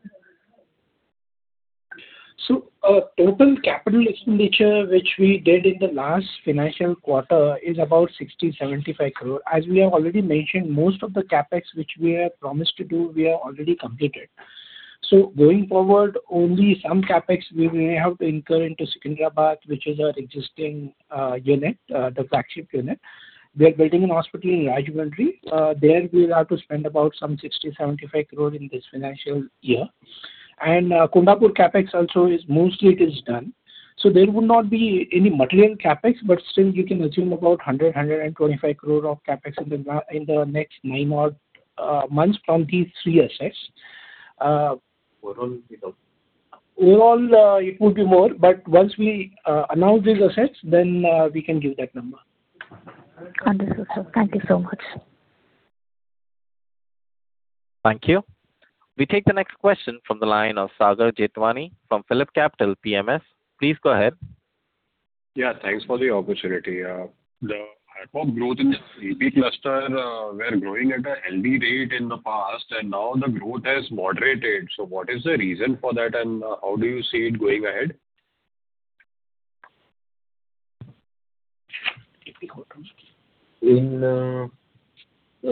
Speaker 6: Total capital expenditure which we did in the last financial quarter is about 60 crore-75 crore. As we have already mentioned, most of the CapEx which we have promised to do, we have already completed. Going forward, only some CapEx we may have to incur into Secunderabad, which is our existing unit, the flagship unit. We are building a hospital in Rajahmundry. There we will have to spend about some 60-75 crore in this financial year. Kondapur CapEx also is mostly done. There would not be any material CapEx, but still you can assume about 100-125 crore of CapEx in the next nine months from these three assets.
Speaker 5: Overall.
Speaker 6: Overall, it would be more, but once we announce these assets, then we can give that number.
Speaker 13: Understood, sir. Thank you so much.
Speaker 1: Thank you. We take the next question from the line of Sagar Jethwani from PhillipCapital. Please go ahead.
Speaker 14: Thanks for the opportunity. The ARPP growth in AP cluster were growing at a healthy rate in the past, and now the growth has moderated. What is the reason for that, and how do you see it going ahead?
Speaker 5: No,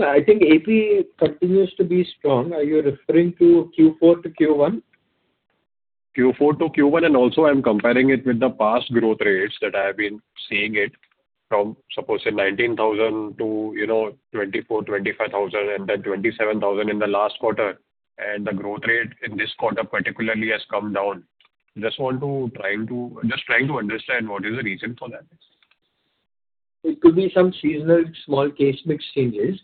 Speaker 5: I think AP continues to be strong. Are you referring to Q4 to Q1?
Speaker 14: Q4 to Q1, also I'm comparing it with the past growth rates that I have been seeing it from, suppose say 19,000-24,000, 25,000 and then 27,000 in the last quarter, the growth rate in this quarter particularly has come down. Just trying to understand what is the reason for that.
Speaker 5: It could be some seasonal small case mix changes,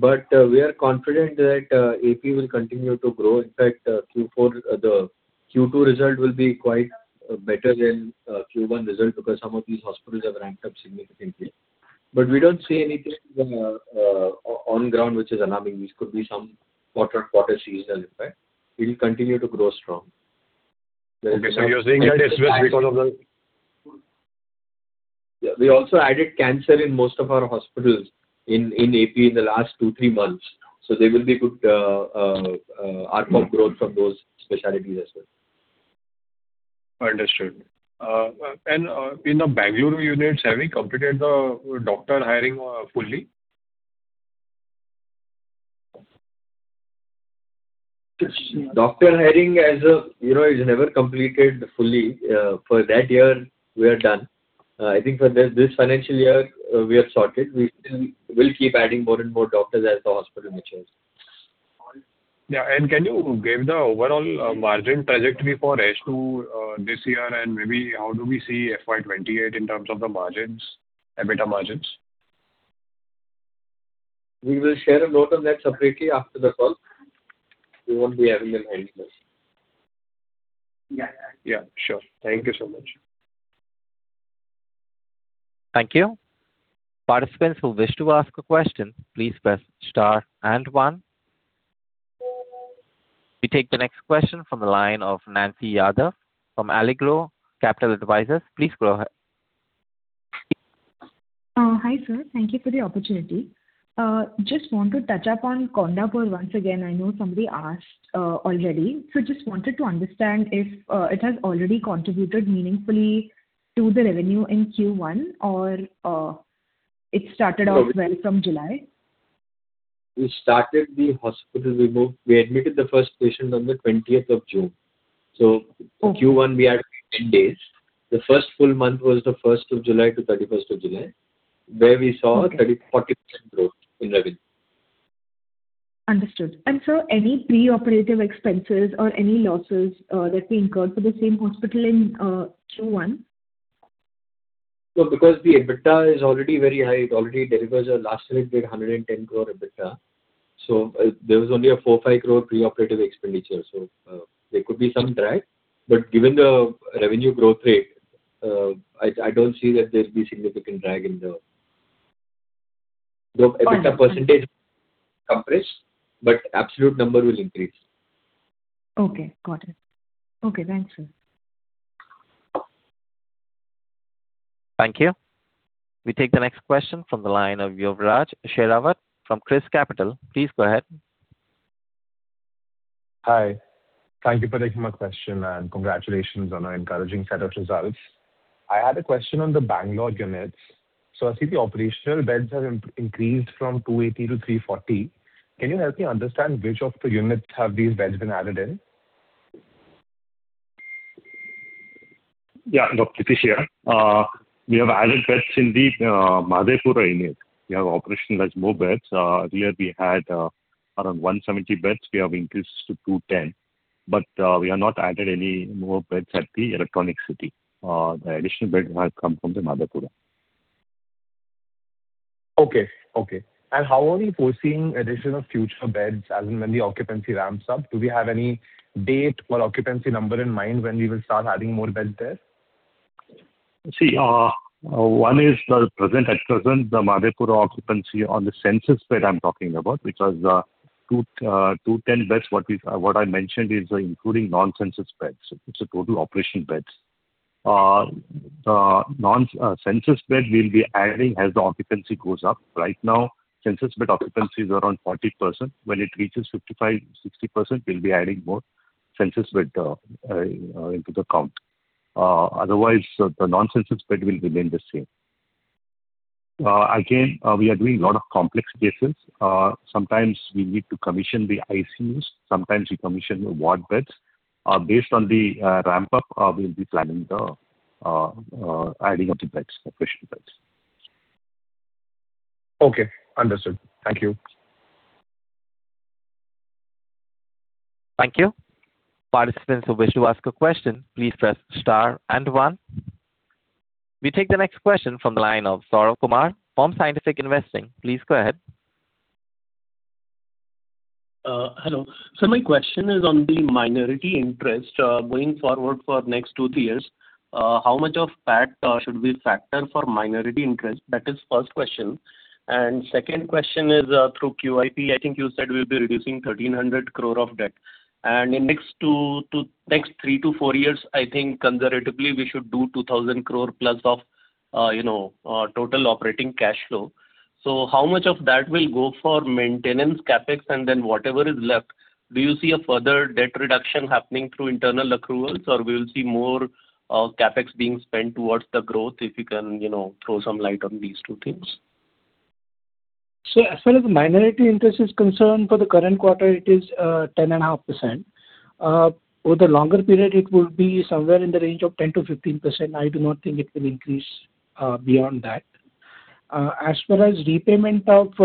Speaker 5: we are confident that AP will continue to grow. In fact, Q2 result will be quite better than Q1 result because some of these hospitals have ramped up significantly. We don't see anything on ground which is alarming. This could be some quarter-to-quarter seasonal effect. We will continue to grow strong.
Speaker 14: Okay. You're saying that it's because of-
Speaker 5: Yeah. We also added cancer in most of our hospitals in AP in the last two, three months. There will be good ARPP growth from those specialties as well.
Speaker 14: Understood. In the Bengaluru units, have we completed the doctor hiring fully?
Speaker 5: Doctor hiring is never completed fully. For that year, we are done. I think for this financial year we are sorted. We still will keep adding more and more doctors as the hospital matures.
Speaker 14: Yeah. Can you give the overall margin trajectory for H2 this year and maybe how do we see FY 2028 in terms of the margins, EBITDA margins?
Speaker 5: We will share a note on that separately after the call. We won't be having it in the earnings press.
Speaker 14: Yeah, sure. Thank you so much.
Speaker 1: Thank you. Participants who wish to ask a question, please press star and one. We take the next question from the line of Nancy Yadav from Allegro Capital Advisors. Please go ahead.
Speaker 15: Hi, sir. Thank you for the opportunity. Just want to touch upon Kondapur once again. I know somebody asked already. Just wanted to understand if it has already contributed meaningfully to the revenue in Q1 or it started off well from July.
Speaker 5: We started the hospital. We admitted the first patient on the June 20th. Q1 we had only 10 days. The first full month was July 1st to July, 31st where we saw a 40% growth in revenue.
Speaker 15: Understood. Sir, any preoperative expenses or any losses that we incurred for the same hospital in Q1?
Speaker 5: No, because the EBITDA is already very high. It already delivers. Last year it did 110 crore EBITDA. There was only an 4 crore, 5 crore preoperative expenditure. There could be some drag, but given the revenue growth rate, I don't see that there'd be significant drag.
Speaker 15: Got it.
Speaker 5: EBITDA percentage compress, absolute number will increase.
Speaker 15: Okay, got it. Okay, thanks, sir.
Speaker 1: Thank you. We take the next question from the line of Yuvraj Sehrawat from ChrysCapital. Please go ahead.
Speaker 16: Hi. Thank you for taking my question, congratulations on an encouraging set of results. I had a question on the Bengaluru units. I see the operational beds have increased from 280-340. Can you help me understand which of the units have these beds been added in?
Speaker 17: Yeah. Dr. Shetty Here. We have added beds in the Mahadevapura unit. We have operationalized more beds. Earlier we had around 170 beds. We have increased to 210, but we have not added any more beds at the Electronics City. The additional beds have come from the Mahadevapura.
Speaker 16: Okay. How are we foreseeing addition of future beds as and when the occupancy ramps up? Do we have any date or occupancy number in mind when we will start adding more beds there?
Speaker 17: See, one is at present, the Mahadevapura occupancy on the census bed I'm talking about, because 210 beds, what I mentioned is including non-census beds. It's the total operation beds. The non-census bed we'll be adding as the occupancy goes up. Right now, census bed occupancy is around 40%. When it reaches 55%-60%, we'll be adding more census bed into the count. Otherwise, the non-census bed will remain the same. Again, we are doing a lot of complex cases. Sometimes we need to commission the ICUs, sometimes we commission the ward beds. Based on the ramp-up, we'll be planning the adding of the beds, operation beds.
Speaker 16: Okay, understood. Thank you.
Speaker 1: Thank you. Participants who wish to ask a question, please press star one. We take the next question from the line of Saurabh Kumar from Scientific Investing. Please go ahead.
Speaker 12: Hello. My question is on the minority interest. Going forward for next two, three years, how much of that should we factor for minority interest? That is first question. Second question is, through QIP, I think you said we'll be reducing 1,300 crore of debt. In next three to four years, I think conservatively, we should do 2,000 crore plus of total operating cash flow. How much of that will go for maintenance CapEx and then whatever is left, do you see a further debt reduction happening through internal accruals, or we will see more CapEx being spent towards the growth? If you can throw some light on these two things.
Speaker 6: As far as minority interest is concerned, for the current quarter, it is 10.5%. Over the longer period, it would be somewhere in the range of 10%-15%. I do not think it will increase beyond that. As far as repayment of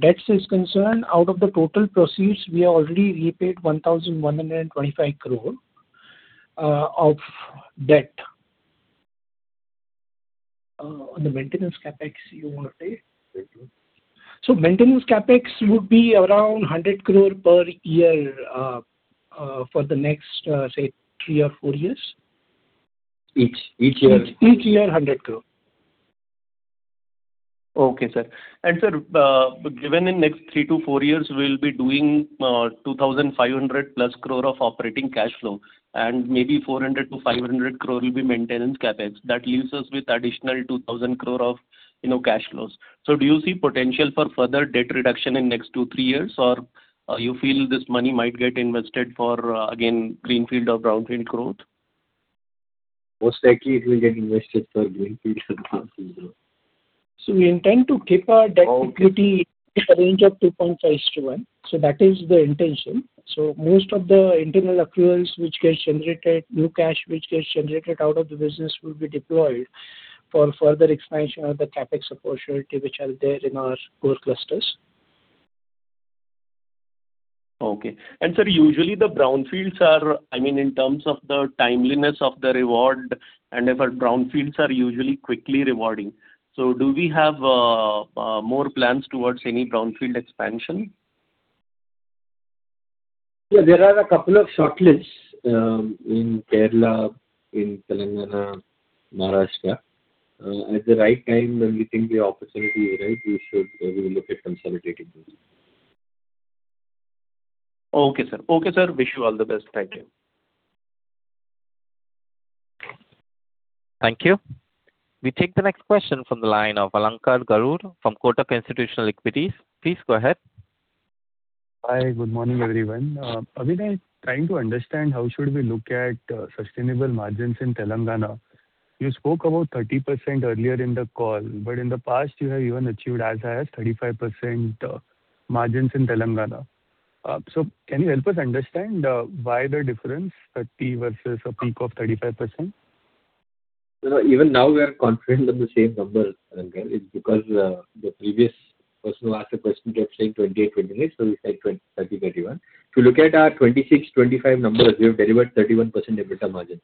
Speaker 6: debts is concerned, out of the total proceeds, we have already repaid 1,125 crore of debt. On the maintenance CapEx, you want to say? Maintenance CapEx would be around 100 crore per year for the next, say, three or four years.
Speaker 5: Each year.
Speaker 6: Each year, 100 crore.
Speaker 12: Okay, sir. Sir, given in next three to four years, we'll be doing 2,500+ crore of operating cash flow, and maybe 400 crore-500 crore will be maintenance CapEx. That leaves us with additional 2,000 crore of cash flows. Do you see potential for further debt reduction in next two, three years? You feel this money might get invested for, again, greenfield or brownfield growth?
Speaker 5: Most likely it will get invested for greenfield and brownfield growth.
Speaker 6: We intend to keep our debt equity-
Speaker 12: Okay.
Speaker 6: In the range of 2.5:1. That is the intention. Most of the internal accruals which gets generated, new cash which gets generated out of the business, will be deployed for further expansion of the CapEx opportunity which are there in our core clusters.
Speaker 12: Okay. Sir, usually the brownfields are, in terms of the timeliness of the reward and effort, brownfields are usually quickly rewarding. Do we have more plans towards any brownfield expansion?
Speaker 5: Yeah, there are a couple of shortlists in Kerala, in Telangana, Maharashtra. At the right time, when we think the opportunity is right, we will look at consolidating those.
Speaker 12: Okay, sir. Wish you all the best. Thank you.
Speaker 1: Thank you. We take the next question from the line of Alankar Garude from Kotak Institutional Equities. Please go ahead.
Speaker 18: Hi. Good morning, everyone. Abhinay, trying to understand how should we look at sustainable margins in Telangana. You spoke about 30% earlier in the call, but in the past you have even achieved as high as 35% margins in Telangana. Can you help us understand why the difference, 30% versus a bump of 35%?
Speaker 5: Even now we are confident of the same number, Alankar. It's because the previous person who asked the question kept saying 28%, so we said 30%, 31%. If you look at our 26%, 25% numbers, we have delivered 31% EBITDA margin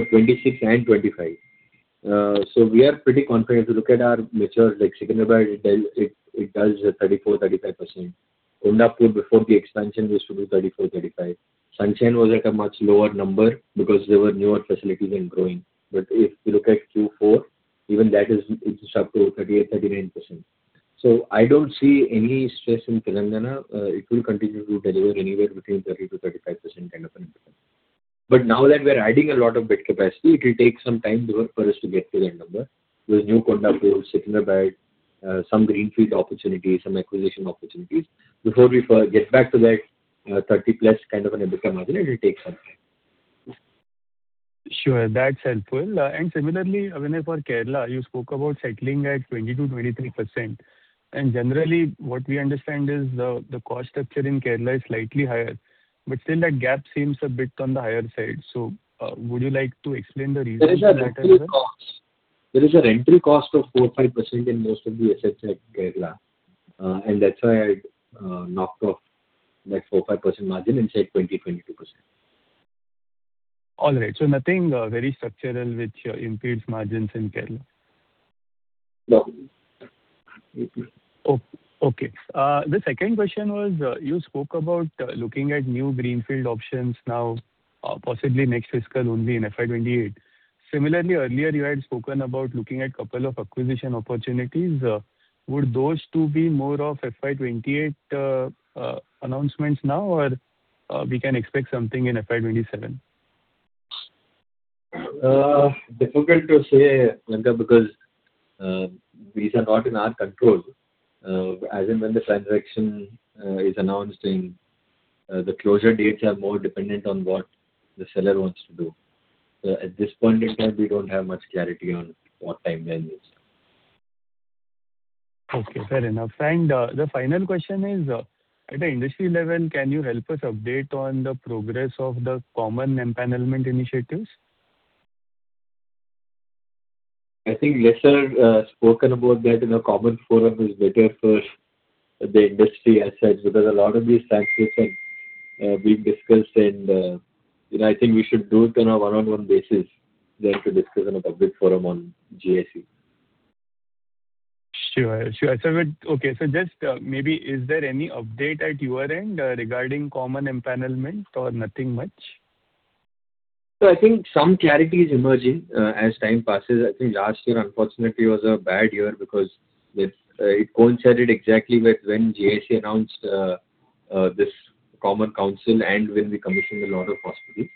Speaker 5: for 26% and 25%. We are pretty confident. If you look at our mature, like Secunderabad, it does 34%-35%. Kondapur before the expansion used to do 34%-35%. Sunshine was at a much lower number because they were newer facilities and growing. If you look at Q4, even that is up to 38%-39%. I don't see any stress in Telangana. It will continue to deliver anywhere between 30%-35% kind of an EBITDA. Now that we're adding a lot of bed capacity, it will take some time for us to get to that number. There's new Kondapur, Secunderabad, some greenfield opportunities, some acquisition opportunities. Before we get back to that 30%+ kind of an EBITDA margin, it will take some time.
Speaker 18: Sure. That's helpful. Similarly, Abhinay, for Kerala, you spoke about settling at 20%-23%. Generally, what we understand is the cost structure in Kerala is slightly higher. Still, that gap seems a bit on the higher side. Would you like to explain the reason for that as well?
Speaker 5: There is an entry cost of 4%-5% in most of the assets at Kerala. That's why I knocked off that 4%-5% margin and said 20%, 22%.
Speaker 18: All right. Nothing very structural which impedes margins in Kerala.
Speaker 5: No.
Speaker 18: Okay. The second question was, you spoke about looking at new greenfield options now, possibly next fiscal only in FY 2028. Similarly, earlier you had spoken about looking at couple of acquisition opportunities. Would those two be more of FY 2028 announcements now, or we can expect something in FY 2027?
Speaker 5: Difficult to say, Alankar, because these are not in our control. As and when the transaction is announced, the closure dates are more dependent on what the seller wants to do. At this point in time, we don't have much clarity on what time frame it is.
Speaker 18: Okay, fair enough. The final question is, at the industry level, can you help us update on the progress of the common empanelment initiatives?
Speaker 5: I think Lesser spoken about that in a common forum is better for the industry as such, because a lot of these transactions are being discussed, and I think we should do it on a one-on-one basis than to discuss in a public forum on JIC.
Speaker 18: Sure. Okay. Just maybe, is there any update at your end regarding common empanelment or nothing much?
Speaker 5: I think some clarity is emerging as time passes. I think last year, unfortunately, was a bad year because it coincided exactly with when JIC announced this common council and when we commissioned a lot of hospitals.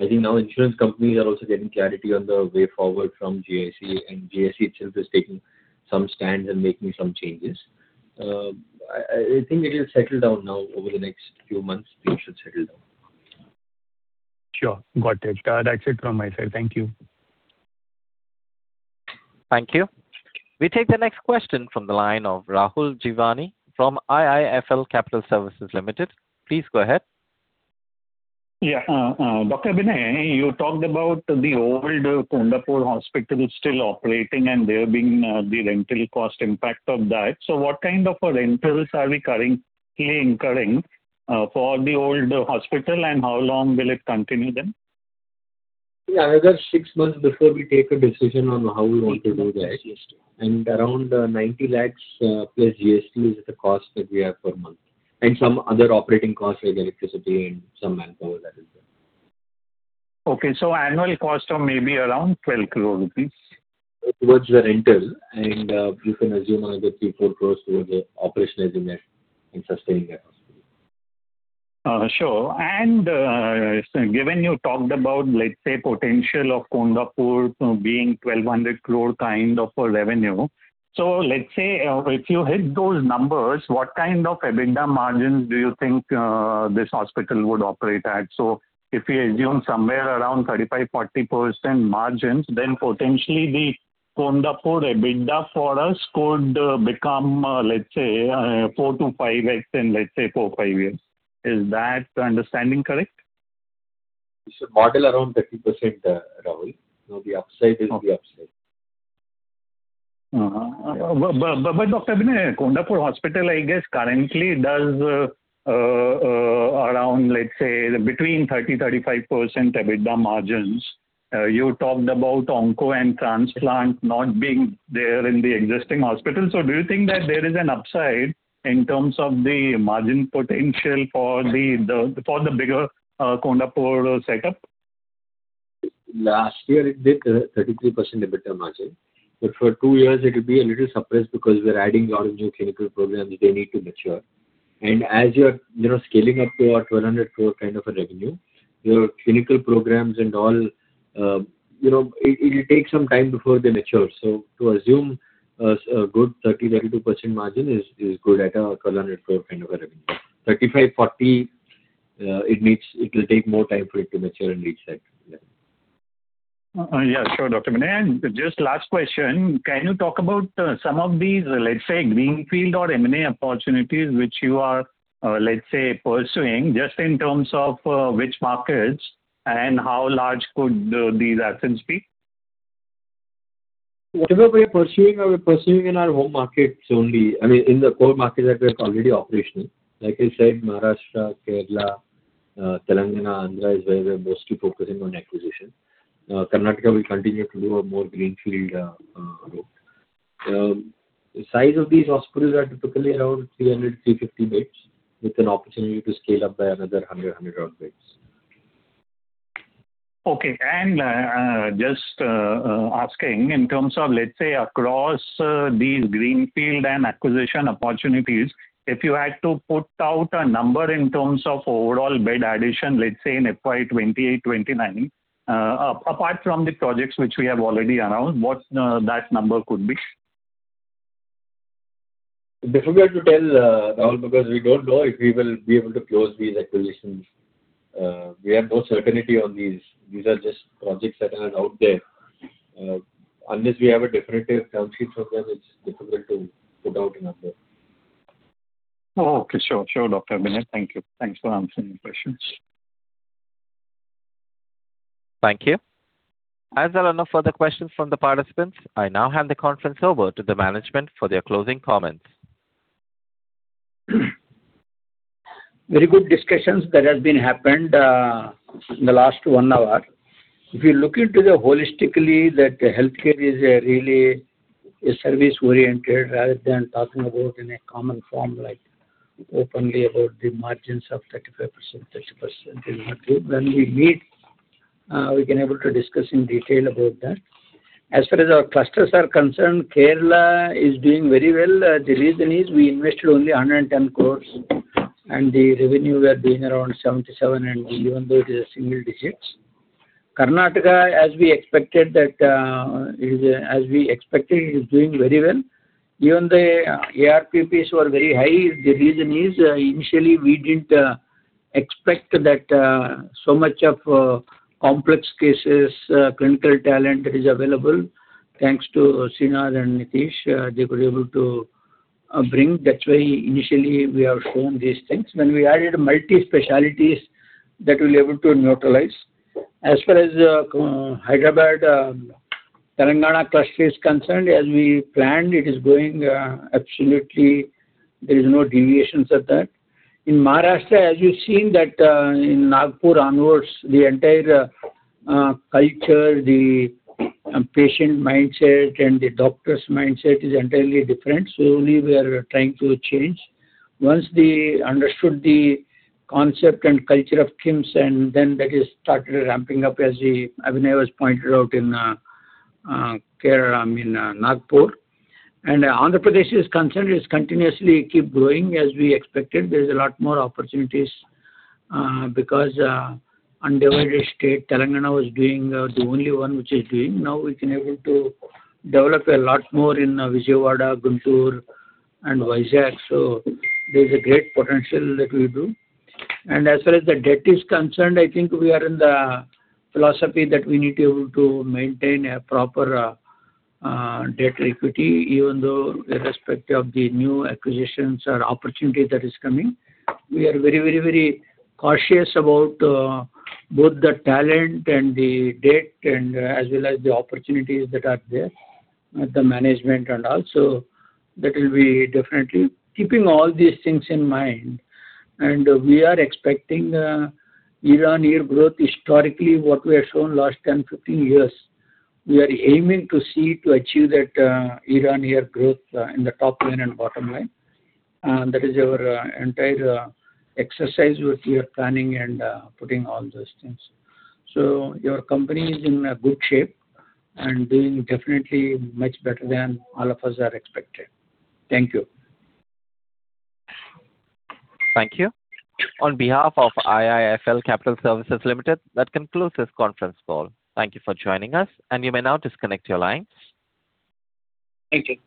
Speaker 5: I think now insurance companies are also getting clarity on the way forward from JIC, and JIC itself is taking some stands and making some changes. I think it will settle down now. Over the next few months, things should settle down.
Speaker 18: Sure. Got it. That's it from my side. Thank you.
Speaker 1: Thank you. We take the next question from the line of Rahul Jeewani from IIFL Capital Services Limited. Please go ahead.
Speaker 2: Yeah. Dr. Abhinay, you talked about the old Kondapur hospital still operating and there being the rental cost impact of that. What kind of rentals are we currently incurring for the old hospital and how long will it continue then?
Speaker 5: Yeah, another six months before we take a decision on how we want to do that. Around 90 lakhs plus GST is the cost that we have per month, and some other operating costs like electricity and some manpower that is there.
Speaker 2: Okay, annual cost of maybe around 12 crore rupees.
Speaker 5: Towards the rental, you can assume another 3 crore-4 crore towards the operational expense in sustaining that hospital.
Speaker 2: Sure. Given you talked about, let's say, potential of Kondapur being 1,200 crore kind of a revenue. Let's say if you hit those numbers, what kind of EBITDA margins do you think this hospital would operate at? If we assume somewhere around 35%-40% margins, then potentially the Kondapur EBITDA for us could become, let's say, 4x-5x in, let's say, 4-5 years. Is that understanding correct?
Speaker 5: It's a model around 30%, Rahul. The upside is the upside.
Speaker 2: Dr. Abhinay, Kondapur hospital, I guess currently does around, let's say between 30%-35% EBITDA margins. You talked about onco and transplant not being there in the existing hospital. Do you think that there is an upside in terms of the margin potential for the bigger Kondapur setup?
Speaker 5: Last year it did 33% EBITDA margin. For two years it will be a little suppressed because we are adding a lot of new clinical programs. They need to mature. As you are scaling up to an 1,200 crore kind of a revenue, your clinical programs and all, it will take some time before they mature. To assume a good 30%-32% margin is good at an INR 1,200 crore kind of a revenue. 35%, 40%, it will take more time for it to mature and reach that level.
Speaker 2: Yeah, sure, Dr. Abhinay. Just last question, can you talk about some of these, let's say greenfield or M&A opportunities which you are, let's say, pursuing just in terms of which markets and how large could these assets be?
Speaker 5: Whatever we are pursuing, we are pursuing in our home markets only. I mean, in the core markets that we are already operational. Like I said, Maharashtra, Kerala, Telangana, Andhra is where we are mostly focusing on acquisition. Karnataka will continue to do a more greenfield route. The size of these hospitals are typically around 300, 350 beds with an opportunity to scale up by another 100 odd beds.
Speaker 2: Okay. Just asking in terms of, let's say, across these greenfield and acquisition opportunities, if you had to put out a number in terms of overall bed addition, let's say in FY 2028, 2029, apart from the projects which we have already announced, what that number could be?
Speaker 5: Difficult to tell, Rahul, because we do not know if we will be able to close these acquisitions. We have no certainty on these. These are just projects that are out there. Unless we have a definitive term sheet from them, it is difficult to put out a number.
Speaker 2: Okay, sure, Dr. Abhinay. Thank you. Thanks for answering the questions.
Speaker 1: Thank you. As there are no further questions from the participants, I now hand the conference over to the management for their closing comments.
Speaker 3: Very good discussions that have happened in the last one hour. If you look into it holistically, healthcare is really service-oriented rather than talking openly about the margins of 35%, 30%, in that way. When we meet, we can discuss in detail about that. As far as our clusters are concerned, Kerala is doing very well. The reason is we invested only 110 crore, and the revenue we are doing around 77 and even though it is single-digits. Karnataka, as we expected, it is doing very well. Even the ARPPs were very high. The reason is, initially we did not expect that so much of complex cases, clinical talent is available. Thanks to Sreenath and Nitish, they were able to bring. That is why initially we have shown these things. When we added multi-specialties, that we will be able to neutralize. As far as Hyderabad Telangana cluster is concerned, as we planned, it is going absolutely. There is no deviations at that. In Maharashtra, as you've seen that in Nagpur onwards, the entire culture, the patient mindset and the doctor's mindset is entirely different, only we are trying to change. Once they understood the concept and culture of KIMS, then that started ramping up as Abhinay has pointed out in Nagpur. Andhra Pradesh is concerned, it continuously keeps growing as we expected. There's a lot more opportunities, because undivided state, Telangana was doing the only one which is doing. Now we can able to develop a lot more in Vijayawada, Guntur, and Vizag. There's a great potential that we do. As far as the debt is concerned, I think we are in the philosophy that we need to be able to maintain a proper debt equity, even though irrespective of the new acquisitions or opportunity that is coming. We are very cautious about both the talent and the debt, as well as the opportunities that are there with the management and all. That will be definitely. Keeping all these things in mind, we are expecting year-on-year growth historically, what we have shown last 10, 15 years. We are aiming to see to achieve that year-on-year growth in the top line and bottom line. That is our entire exercise with your planning and putting all those things. Your company is in good shape and doing definitely much better than all of us had expected. Thank you.
Speaker 1: Thank you. On behalf of IIFL Capital Services Limited, that concludes this conference call. Thank you for joining us, you may now disconnect your lines.
Speaker 3: Thank you.